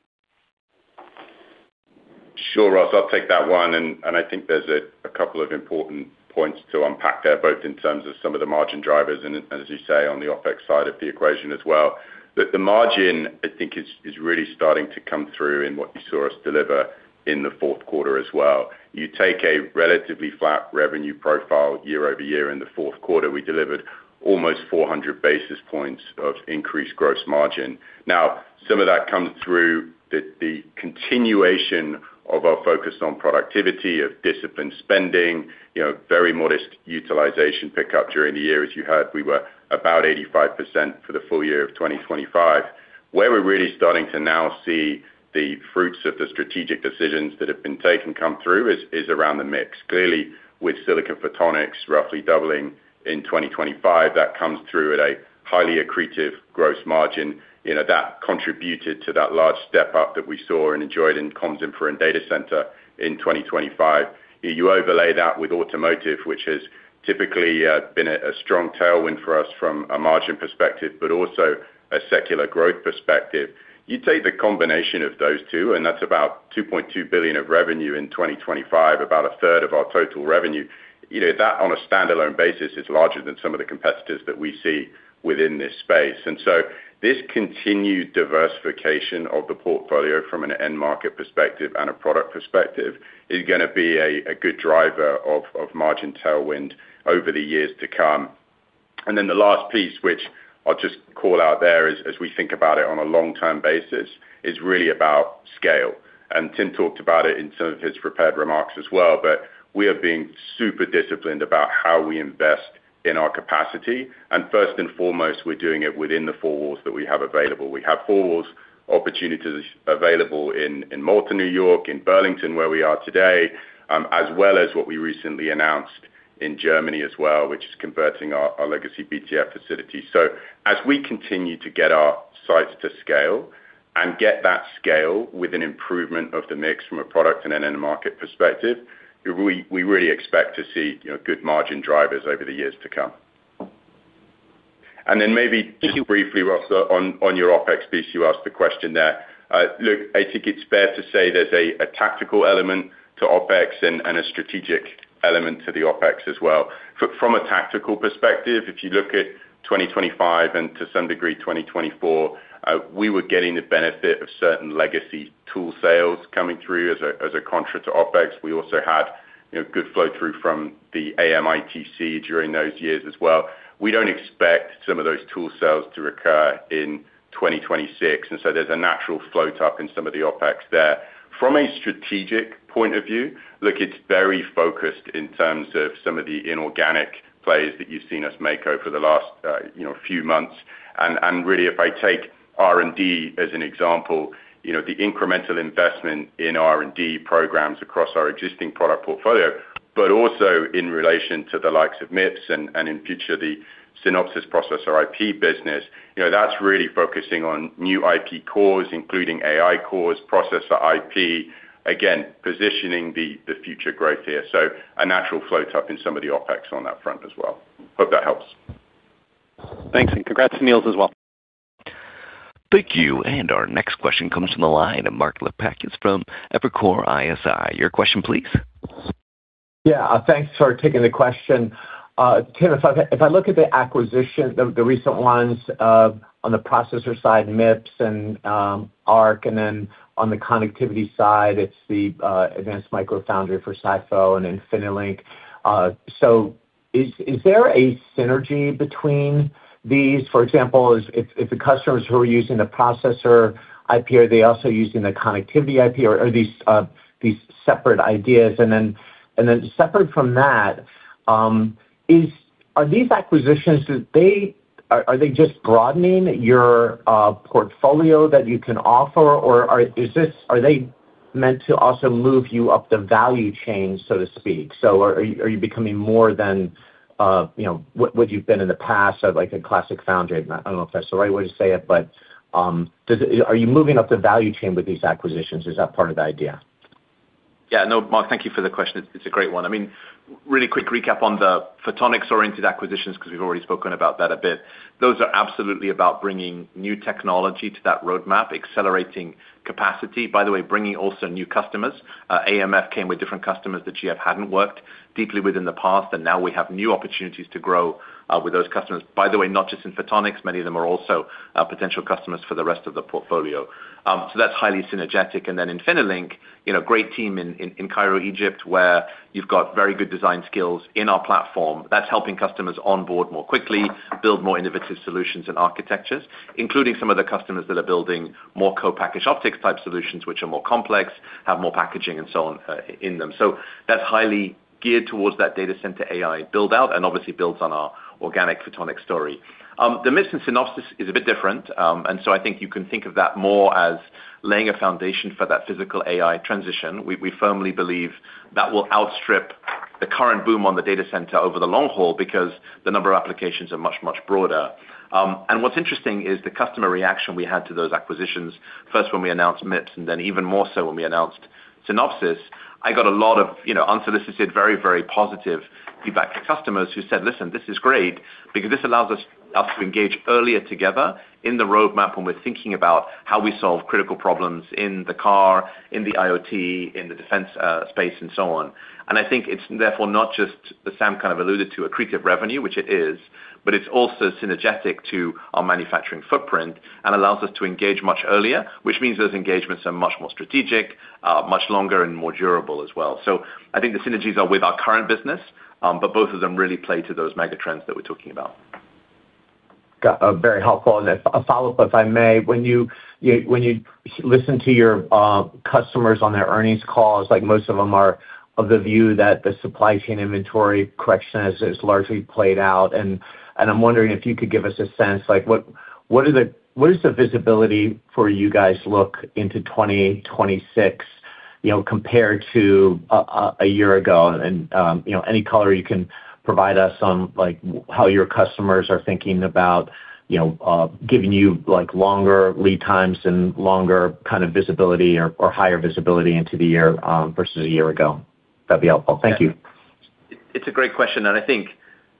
Sure, Ross. I'll take that one. And I think there's a couple of important points to unpack there, both in terms of some of the margin drivers and, as you say, on the OpEx side of the equation as well. The margin, I think, is really starting to come through in what you saw us deliver in the fourth quarter as well. You take a relatively flat revenue profile year-over-year. In the fourth quarter, we delivered almost 400 basis points of increased gross margin. Now, some of that comes through the continuation of our focus on productivity, of disciplined spending, very modest utilization pickup during the year as you had. We were about 85% for the full year of 2025. Where we're really starting to now see the fruits of the strategic decisions that have been taken come through is around the mix. Clearly, with silicon photonics roughly doubling in 2025, that comes through at a highly accretive gross margin. That contributed to that large step-up that we saw and enjoyed in comms infra and data center in 2025. You overlay that with automotive, which has typically been a strong tailwind for us from a margin perspective, but also a secular growth perspective. You take the combination of those two, and that's about $2.2 billion of revenue in 2025, about a third of our total revenue. That, on a standalone basis, is larger than some of the competitors that we see within this space. And so this continued diversification of the portfolio from an end-market perspective and a product perspective is going to be a good driver of margin tailwind over the years to come. And then the last piece, which I'll just call out there as we think about it on a long-term basis, is really about scale. And Tim talked about it in some of his prepared remarks as well, but we are being super disciplined about how we invest in our capacity. And first and foremost, we're doing it within the four walls that we have available. We have four walls opportunities available in Malta, New York, in Burlington, where we are today, as well as what we recently announced in Germany as well, which is converting our legacy BTF facility. As we continue to get our sites to scale and get that scale with an improvement of the mix from a product and an end-market perspective, we really expect to see good margin drivers over the years to come. Then maybe just briefly, Ross, on your OpEx piece, you asked the question there. Look, I think it's fair to say there's a tactical element to OpEx and a strategic element to the OpEx as well. From a tactical perspective, if you look at 2025 and to some degree, 2024, we were getting the benefit of certain legacy tool sales coming through as a contra to OpEx. We also had good flow-through from the AMITC during those years as well. We don't expect some of those tool sales to recur in 2026. So there's a natural float-up in some of the OpEx there. From a strategic point of view, look, it's very focused in terms of some of the inorganic plays that you've seen us make over the last few months. And really, if I take R&D as an example, the incremental investment in R&D programs across our existing product portfolio, but also in relation to the likes of MIPS and, in future, the Synopsys processor IP business, that's really focusing on new IP cores, including AI cores, processor IP, again, positioning the future growth here. So a natural float-up in some of the OpEx on that front as well. Hope that helps. Thanks. And congrats to Niels as well. Thank you. And our next question comes from the line. Mark Lipacis is from Evercore ISI. Your question, please. Yeah. Thanks for taking the question. Tim, if I look at the acquisition, the recent ones on the processor side, MIPS and ARC, and then on the connectivity side, it's the Advanced Micro Foundry for SiPho and InfiniLink. So is there a synergy between these? For example, if the customers who are using the processor IP are they also using the connectivity IP, or are these separate ideas? And then separate from that, are these acquisitions, are they just broadening your portfolio that you can offer, or are they meant to also move you up the value chain, so to speak? So are you becoming more than what you've been in the past of a classic foundry? I don't know if that's the right way to say it, but are you moving up the value chain with these acquisitions? Is that part of the idea? Yeah. No, Mark, thank you for the question. It's a great one. I mean, really quick recap on the photonics-oriented acquisitions because we've already spoken about that a bit. Those are absolutely about bringing new technology to that roadmap, accelerating capacity. By the way, bringing also new customers. AMF came with different customers that GF hadn't worked deeply with in the past, and now we have new opportunities to grow with those customers. By the way, not just in photonics. Many of them are also potential customers for the rest of the portfolio. So that's highly synergistic. And then InfiniLink, great team in Cairo, Egypt, where you've got very good design skills in our platform. That's helping customers onboard more quickly, build more innovative solutions and architectures, including some of the customers that are building more co-packaged optics-type solutions, which are more complex, have more packaging, and so on in them. So that's highly geared towards that data center AI build-out and obviously builds on our organic photonics story. The MIPS and Synopsys is a bit different. I think you can think of that more as laying a foundation for that physical AI transition. We firmly believe that will outstrip the current boom on the data center over the long haul because the number of applications are much, much broader. And what's interesting is the customer reaction we had to those acquisitions, first when we announced MIPS and then even more so when we announced Synopsys, I got a lot of unsolicited, very, very positive feedback from customers who said, "Listen, this is great because this allows us to engage earlier together in the roadmap when we're thinking about how we solve critical problems in the car, in the IoT, in the defense space," and so on. I think it's therefore not just, as Sam kind of alluded to, accretive revenue, which it is, but it's also synergetic to our manufacturing footprint and allows us to engage much earlier, which means those engagements are much more strategic, much longer, and more durable as well. So I think the synergies are with our current business, but both of them really play to those megatrends that we're talking about. Very helpful. A follow-up, if I may. When you listen to your customers on their earnings calls, most of them are of the view that the supply chain inventory correction has largely played out. I'm wondering if you could give us a sense, what does the visibility for you guys look into 2026 compared to a year ago? Any color you can provide us on how your customers are thinking about giving you longer lead times and longer kind of visibility or higher visibility into the year versus a year ago? That'd be helpful. Thank you. It's a great question. I think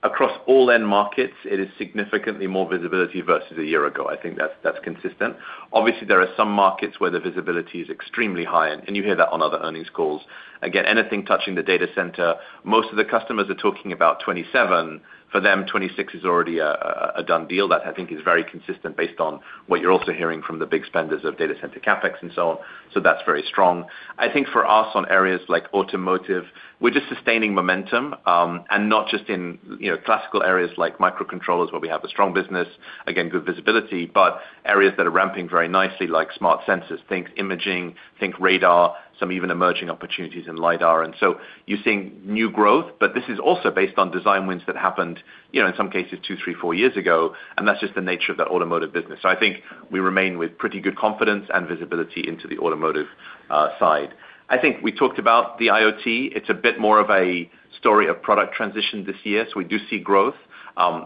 across all end markets, it is significantly more visibility versus a year ago. I think that's consistent. Obviously, there are some markets where the visibility is extremely high. You hear that on other earnings calls. Again, anything touching the data center, most of the customers are talking about 2027. For them, 2026 is already a done deal. That, I think, is very consistent based on what you're also hearing from the big spenders of data center CapEx and so on. That's very strong. I think for us on areas like automotive, we're just sustaining momentum and not just in classical areas like microcontrollers where we have a strong business, again, good visibility, but areas that are ramping very nicely like smart sensors, think imaging, think radar, some even emerging opportunities in LiDAR. And so you're seeing new growth, but this is also based on design wins that happened, in some cases, 2, 3, 4 years ago. And that's just the nature of that automotive business. So I think we remain with pretty good confidence and visibility into the automotive side. I think we talked about the IoT. It's a bit more of a story of product transition this year. So we do see growth.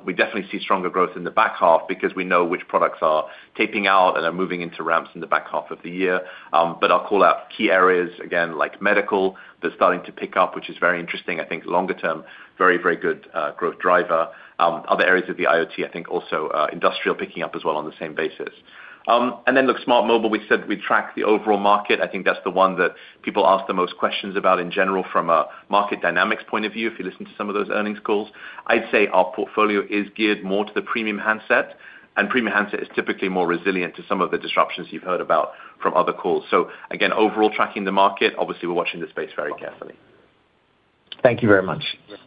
We definitely see stronger growth in the back half because we know which products are taping out and are moving into ramps in the back half of the year. But I'll call out key areas, again, like medical. They're starting to pick up, which is very interesting. I think longer-term, very, very good growth driver. Other areas of the IoT, I think, also industrial picking up as well on the same basis. And then, look, Smart Mobile, we said we'd track the overall market. I think that's the one that people ask the most questions about in general from a market dynamics point of view if you listen to some of those earnings calls. I'd say our portfolio is geared more to the premium handset. And premium handset is typically more resilient to some of the disruptions you've heard about from other calls. So again, overall tracking the market. Obviously, we're watching this space very carefully. Thank you very much. Thank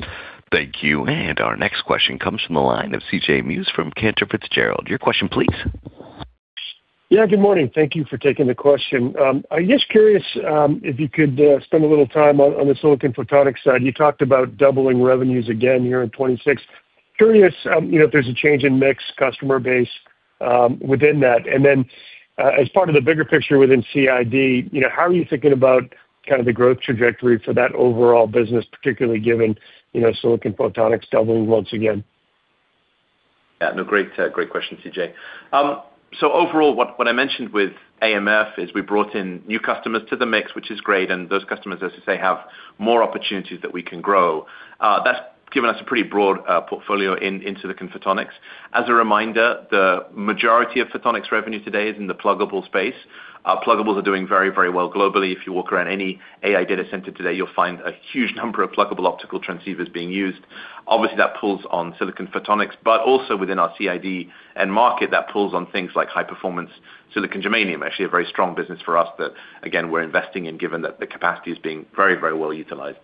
you. And our next question comes from the line of CJ Muse from Cantor Fitzgerald. Your question, please. Yeah. Good morning. Thank you for taking the question. I guess curious if you could spend a little time on the silicon photonics side. You talked about doubling revenues again here in 2026. Curious if there's a change in mix customer base within that. And then as part of the bigger picture within CID, how are you thinking about kind of the growth trajectory for that overall business, particularly given silicon photonics doubling once again? Yeah. No, great question, CJ. So overall, what I mentioned with AMF is we brought in new customers to the mix, which is great. And those customers, as you say, have more opportunities that we can grow. That's given us a pretty broad portfolio in silicon photonics. As a reminder, the majority of photonics revenue today is in the pluggable space. Pluggables are doing very, very well globally. If you walk around any AI data center today, you'll find a huge number of pluggable optical transceivers being used. Obviously, that pulls on silicon photonics. But also within our CID end market, that pulls on things like high-performance silicon germanium, actually a very strong business for us that, again, we're investing in given that the capacity is being very, very well utilized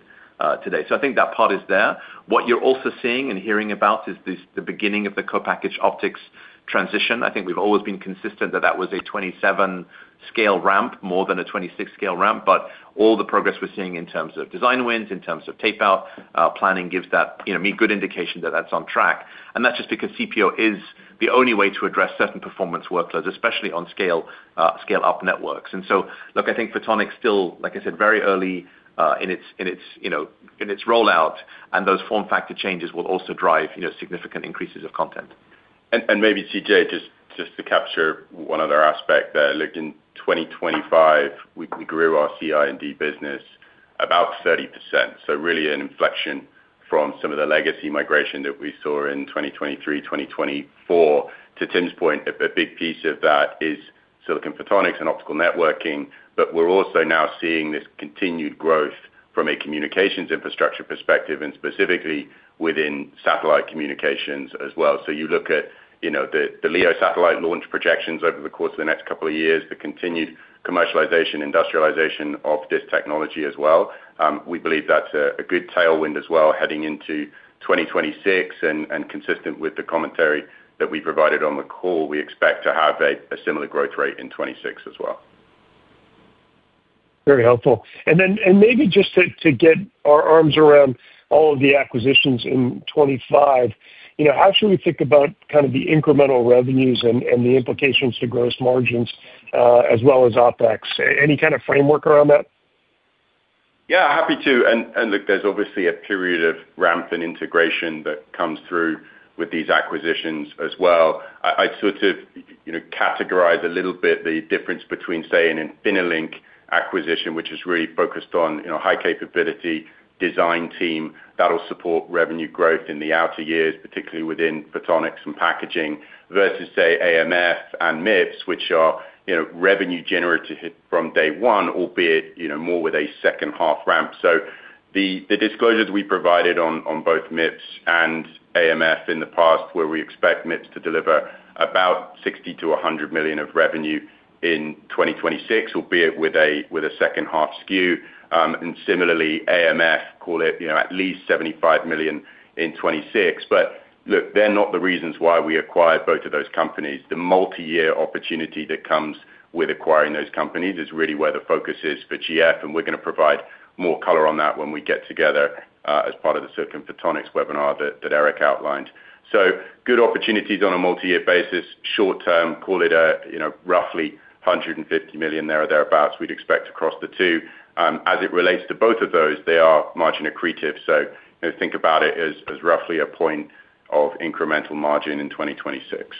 today. So I think that part is there. What you're also seeing and hearing about is the beginning of the co-packaged optics transition. I think we've always been consistent that that was a 2027 scale ramp more than a 2026 scale ramp. But all the progress we're seeing in terms of design wins, in terms of tape-out planning, gives me good indication that that's on track. And that's just because CPO is the only way to address certain performance workloads, especially on scale-up networks. And so, look, I think photonics still, like I said, very early in its rollout. And maybe, CJ, just to capture one other aspect there. Look, in 2025, we grew our CI&D business about 30%. So really an inflection from some of the legacy migration that we saw in 2023, 2024. To Tim's point, a big piece of that is silicon photonics and optical networking. But we're also now seeing this continued growth from a communications infrastructure perspective and specifically within satellite communications as well. So you look at the LEO satellite launch projections over the course of the next couple of years, the continued commercialization, industrialization of this technology as well. We believe that's a good tailwind as well heading into 2026. Consistent with the commentary that we provided on the call, we expect to have a similar growth rate in 2026 as well. Very helpful. And then maybe just to get our arms around all of the acquisitions in 2025, how should we think about kind of the incremental revenues and the implications to gross margins as well as OpEx? Any kind of framework around that? Yeah. Happy to. And look, there's obviously a period of ramp and integration that comes through with these acquisitions as well. I'd sort of categorize a little bit the difference between, say, an InfiniLink acquisition, which is really focused on high-capability design team that'll support revenue growth in the outer years, particularly within photonics and packaging, versus, say, AMF and MIPS, which are revenue-generative from day one, albeit more with a second-half ramp. So the disclosures we provided on both MIPS and AMF in the past were, we expect MIPS to deliver about $60 million-$100 million of revenue in 2026, albeit with a second-half SKU. And similarly, AMF, call it at least $75 million in 2026. But look, they're not the reasons why we acquired both of those companies. The multi-year opportunity that comes with acquiring those companies is really where the focus is for GF. And we're going to provide more color on that when we get together as part of the silicon photonics webinar that Eric outlined. So good opportunities on a multi-year basis. Short-term, call it roughly $150 million there or thereabouts. We'd expect across the two. As it relates to both of those, they are margin accretive. So think about it as roughly a point of incremental margin in 2026.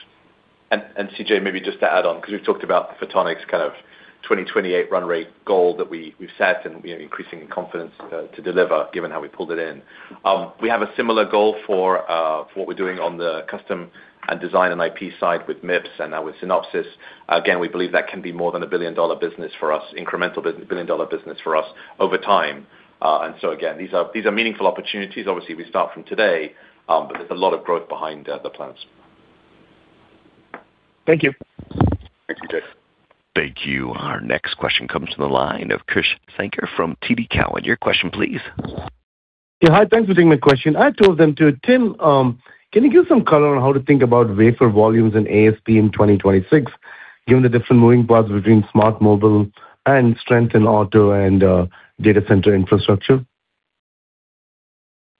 And CJ, maybe just to add on because we've talked about the photonics kind of 2028 run-rate goal that we've set and increasing confidence to deliver given how we pulled it in. We have a similar goal for what we're doing on the custom and design and IP side with MIPS and now with Synopsys. Again, we believe that can be more than a billion-dollar business for us, incremental billion-dollar business for us over time. And so again, these are meaningful opportunities. Obviously, we start from today, but there's a lot of growth behind the plans. Thank you. Thanks, CJ. Thank you. Our next question comes from the line of Krish Sankar from TD Cowen. Your question, please. Yeah. Hi. Thanks for taking my question. I told them to, "Tim, can you give some color on how to think about wafer volumes and ASP in 2026 given the different moving parts between Smart Mobile and strength in auto and data center infrastructure?"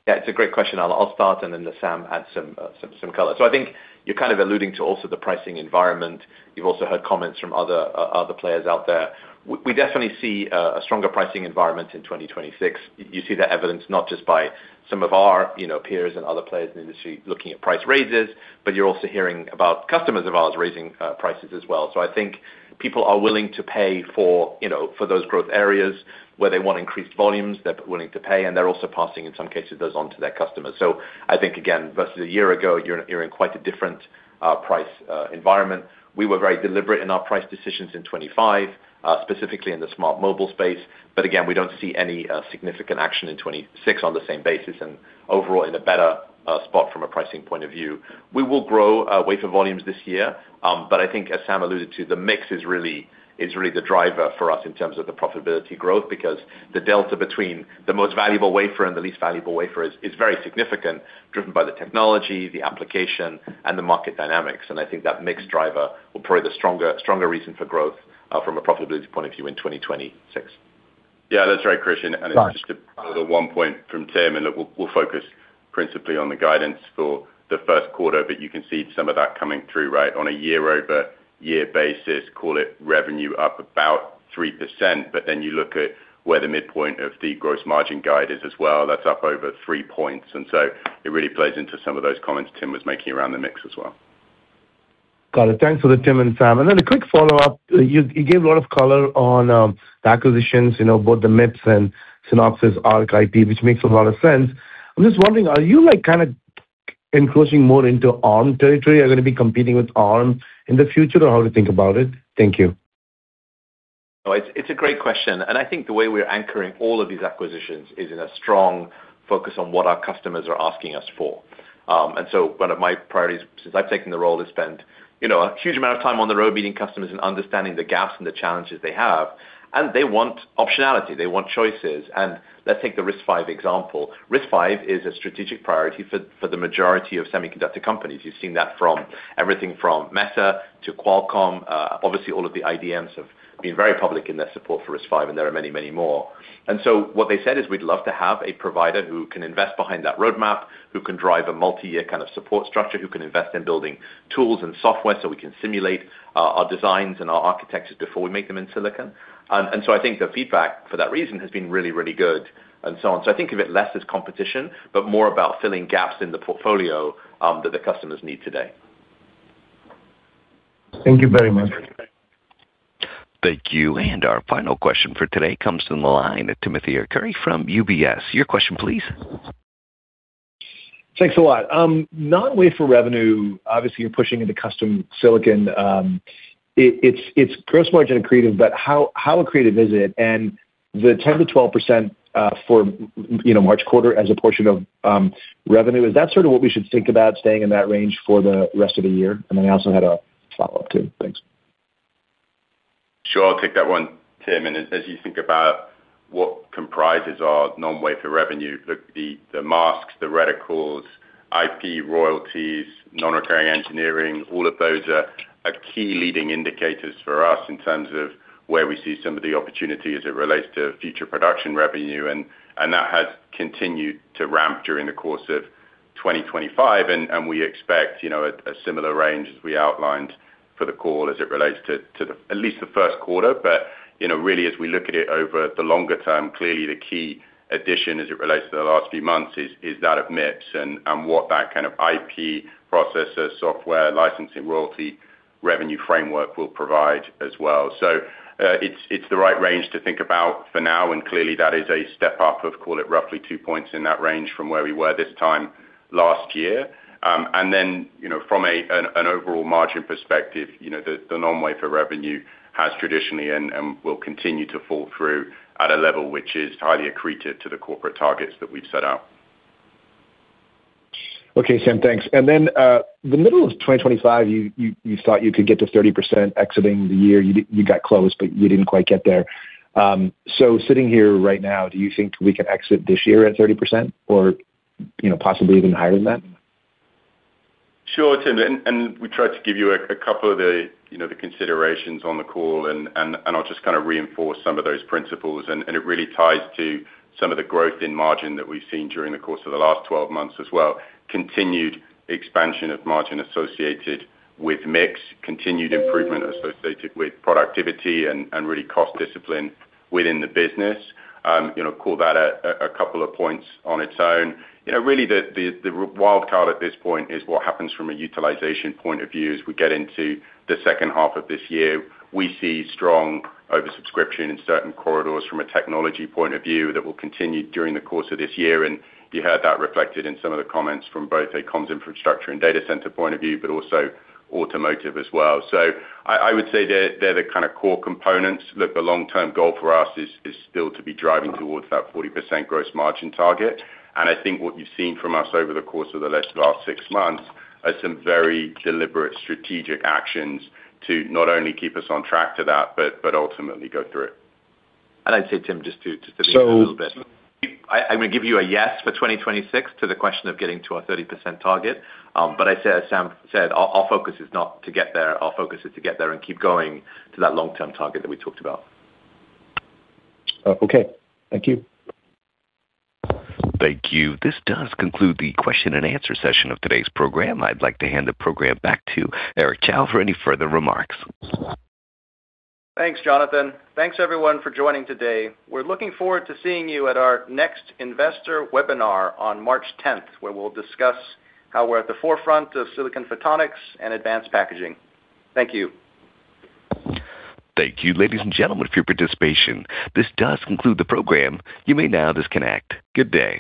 Yeah. It's a great question. I'll start, and then Sam adds some color. So I think you're kind of alluding to also the pricing environment. You've also heard comments from other players out there. We definitely see a stronger pricing environment in 2026. You see that evidenced not just by some of our peers and other players in the industry looking at price raises, but you're also hearing about customers of ours raising prices as well. So I think people are willing to pay for those growth areas where they want increased volumes. They're willing to pay. And they're also passing, in some cases, those on to their customers. So I think, again, versus a year ago, you're in quite a different price environment. We were very deliberate in our price decisions in 2025, specifically in the Smart Mobile space. But again, we don't see any significant action in 2026 on the same basis and overall in a better spot from a pricing point of view. We will grow wafer volumes this year. But I think, as Sam alluded to, the mix is really the driver for us in terms of the profitability growth because the delta between the most valuable wafer and the least valuable wafer is very significant driven by the technology, the application, and the market dynamics. And I think that mix driver will probably be the stronger reason for growth from a profitability point of view in 2026. Yeah. That's right, Krish. And it's just another one point from Tim. Look, we'll focus principally on the guidance for the first quarter. You can see some of that coming through, right, on a year-over-year basis. Call it revenue up about 3%. Then you look at where the midpoint of the gross margin guide is as well. That's up over 3 points. So it really plays into some of those comments Tim was making around the mix as well. Got it. Thanks to Tim and Sam. Then a quick follow-up. You gave a lot of color on the acquisitions, both the MIPS and Synopsys ARC IP, which makes a lot of sense. I'm just wondering, are you kind of encroaching more into ARM territory? Are you going to be competing with ARM in the future or how to think about it? Thank you. No, it's a great question. I think the way we're anchoring all of these acquisitions is in a strong focus on what our customers are asking us for. So one of my priorities since I've taken the role is spend a huge amount of time on the road meeting customers and understanding the gaps and the challenges they have. They want optionality. They want choices. Let's take the RISC-V example. RISC-V is a strategic priority for the majority of semiconductor companies. You've seen that from everything from Meta to Qualcomm. Obviously, all of the IDMs have been very public in their support for RISC-V. There are many, many more. And so what they said is we'd love to have a provider who can invest behind that roadmap, who can drive a multi-year kind of support structure, who can invest in building tools and software so we can simulate our designs and our architectures before we make them in silicon. And so I think the feedback for that reason has been really, really good and so on. So I think of it less as competition but more about filling gaps in the portfolio that the customers need today. Thank you very much. Thank you. And our final question for today comes from the line of Timothy Arcuri from UBS. Your question, please. Thanks a lot. Non-waiver revenue, obviously, you're pushing into custom silicon. It's gross margin accretive. But how accretive is it? And the 10%-12% for March quarter as a portion of revenue, is that sort of what we should think about staying in that range for the rest of the year? And then I also had a follow-up too. Thanks. Sure. I'll take that one, Tim. And as you think about what comprises our non-wafer revenue, look, the masks, the reticles, IP, royalties, non-recurring engineering, all of those are key leading indicators for us in terms of where we see some of the opportunity as it relates to future production revenue. And that has continued to ramp during the course of 2025. And we expect a similar range as we outlined for the call as it relates to at least the first quarter. But really, as we look at it over the longer term, clearly, the key addition as it relates to the last few months is that of MIPS and what that kind of IP, processor, software, licensing, royalty revenue framework will provide as well. So it's the right range to think about for now. And clearly, that is a step up of, call it roughly 2 points in that range from where we were this time last year. And then from an overall margin perspective, the non-wafer revenue has traditionally and will continue to fall through at a level which is highly accretive to the corporate targets that we've set out. Okay, Sam. Thanks. And then the middle of 2025, you thought you could get to 30% exiting the year. You got close, but you didn't quite get there. So sitting here right now, do you think we can exit this year at 30% or possibly even higher than that? Sure, Tim. We tried to give you a couple of the considerations on the call. I'll just kind of reinforce some of those principles. It really ties to some of the growth in margin that we've seen during the course of the last 12 months as well, continued expansion of margin associated with MIPS, continued improvement associated with productivity and really cost discipline within the business. Call that a couple of points on its own. Really, the wild card at this point is what happens from a utilization point of view. As we get into the second half of this year, we see strong oversubscription in certain corridors from a technology point of view that will continue during the course of this year. You heard that reflected in some of the comments from both a comms infrastructure and data center point of view but also automotive as well. So I would say they're the kind of core components. Look, the long-term goal for us is still to be driving towards that 40% gross margin target. I think what you've seen from us over the course of the last six months are some very deliberate strategic actions to not only keep us on track to that but ultimately go through it. I'd like to say, Tim, just to leave that a little bit. I'm going to give you a yes for 2026 to the question of getting to our 30% target. But as Sam said, our focus is not to get there. Our focus is to get there and keep going to that long-term target that we talked about. Okay. Thank you. Thank you. This does conclude the question-and-answer session of today's program. I'd like to hand the program back to Eric Chowfor any further remarks. Thanks, Jonathan. Thanks, everyone, for joining today. We're looking forward to seeing you at our next investor webinar on March 10th where we'll discuss how we're at the forefront of silicon photonics and advanced packaging. Thank you. Thank you, ladies and gentlemen, for your participation. This does conclude the program. You may now disconnect. Good day.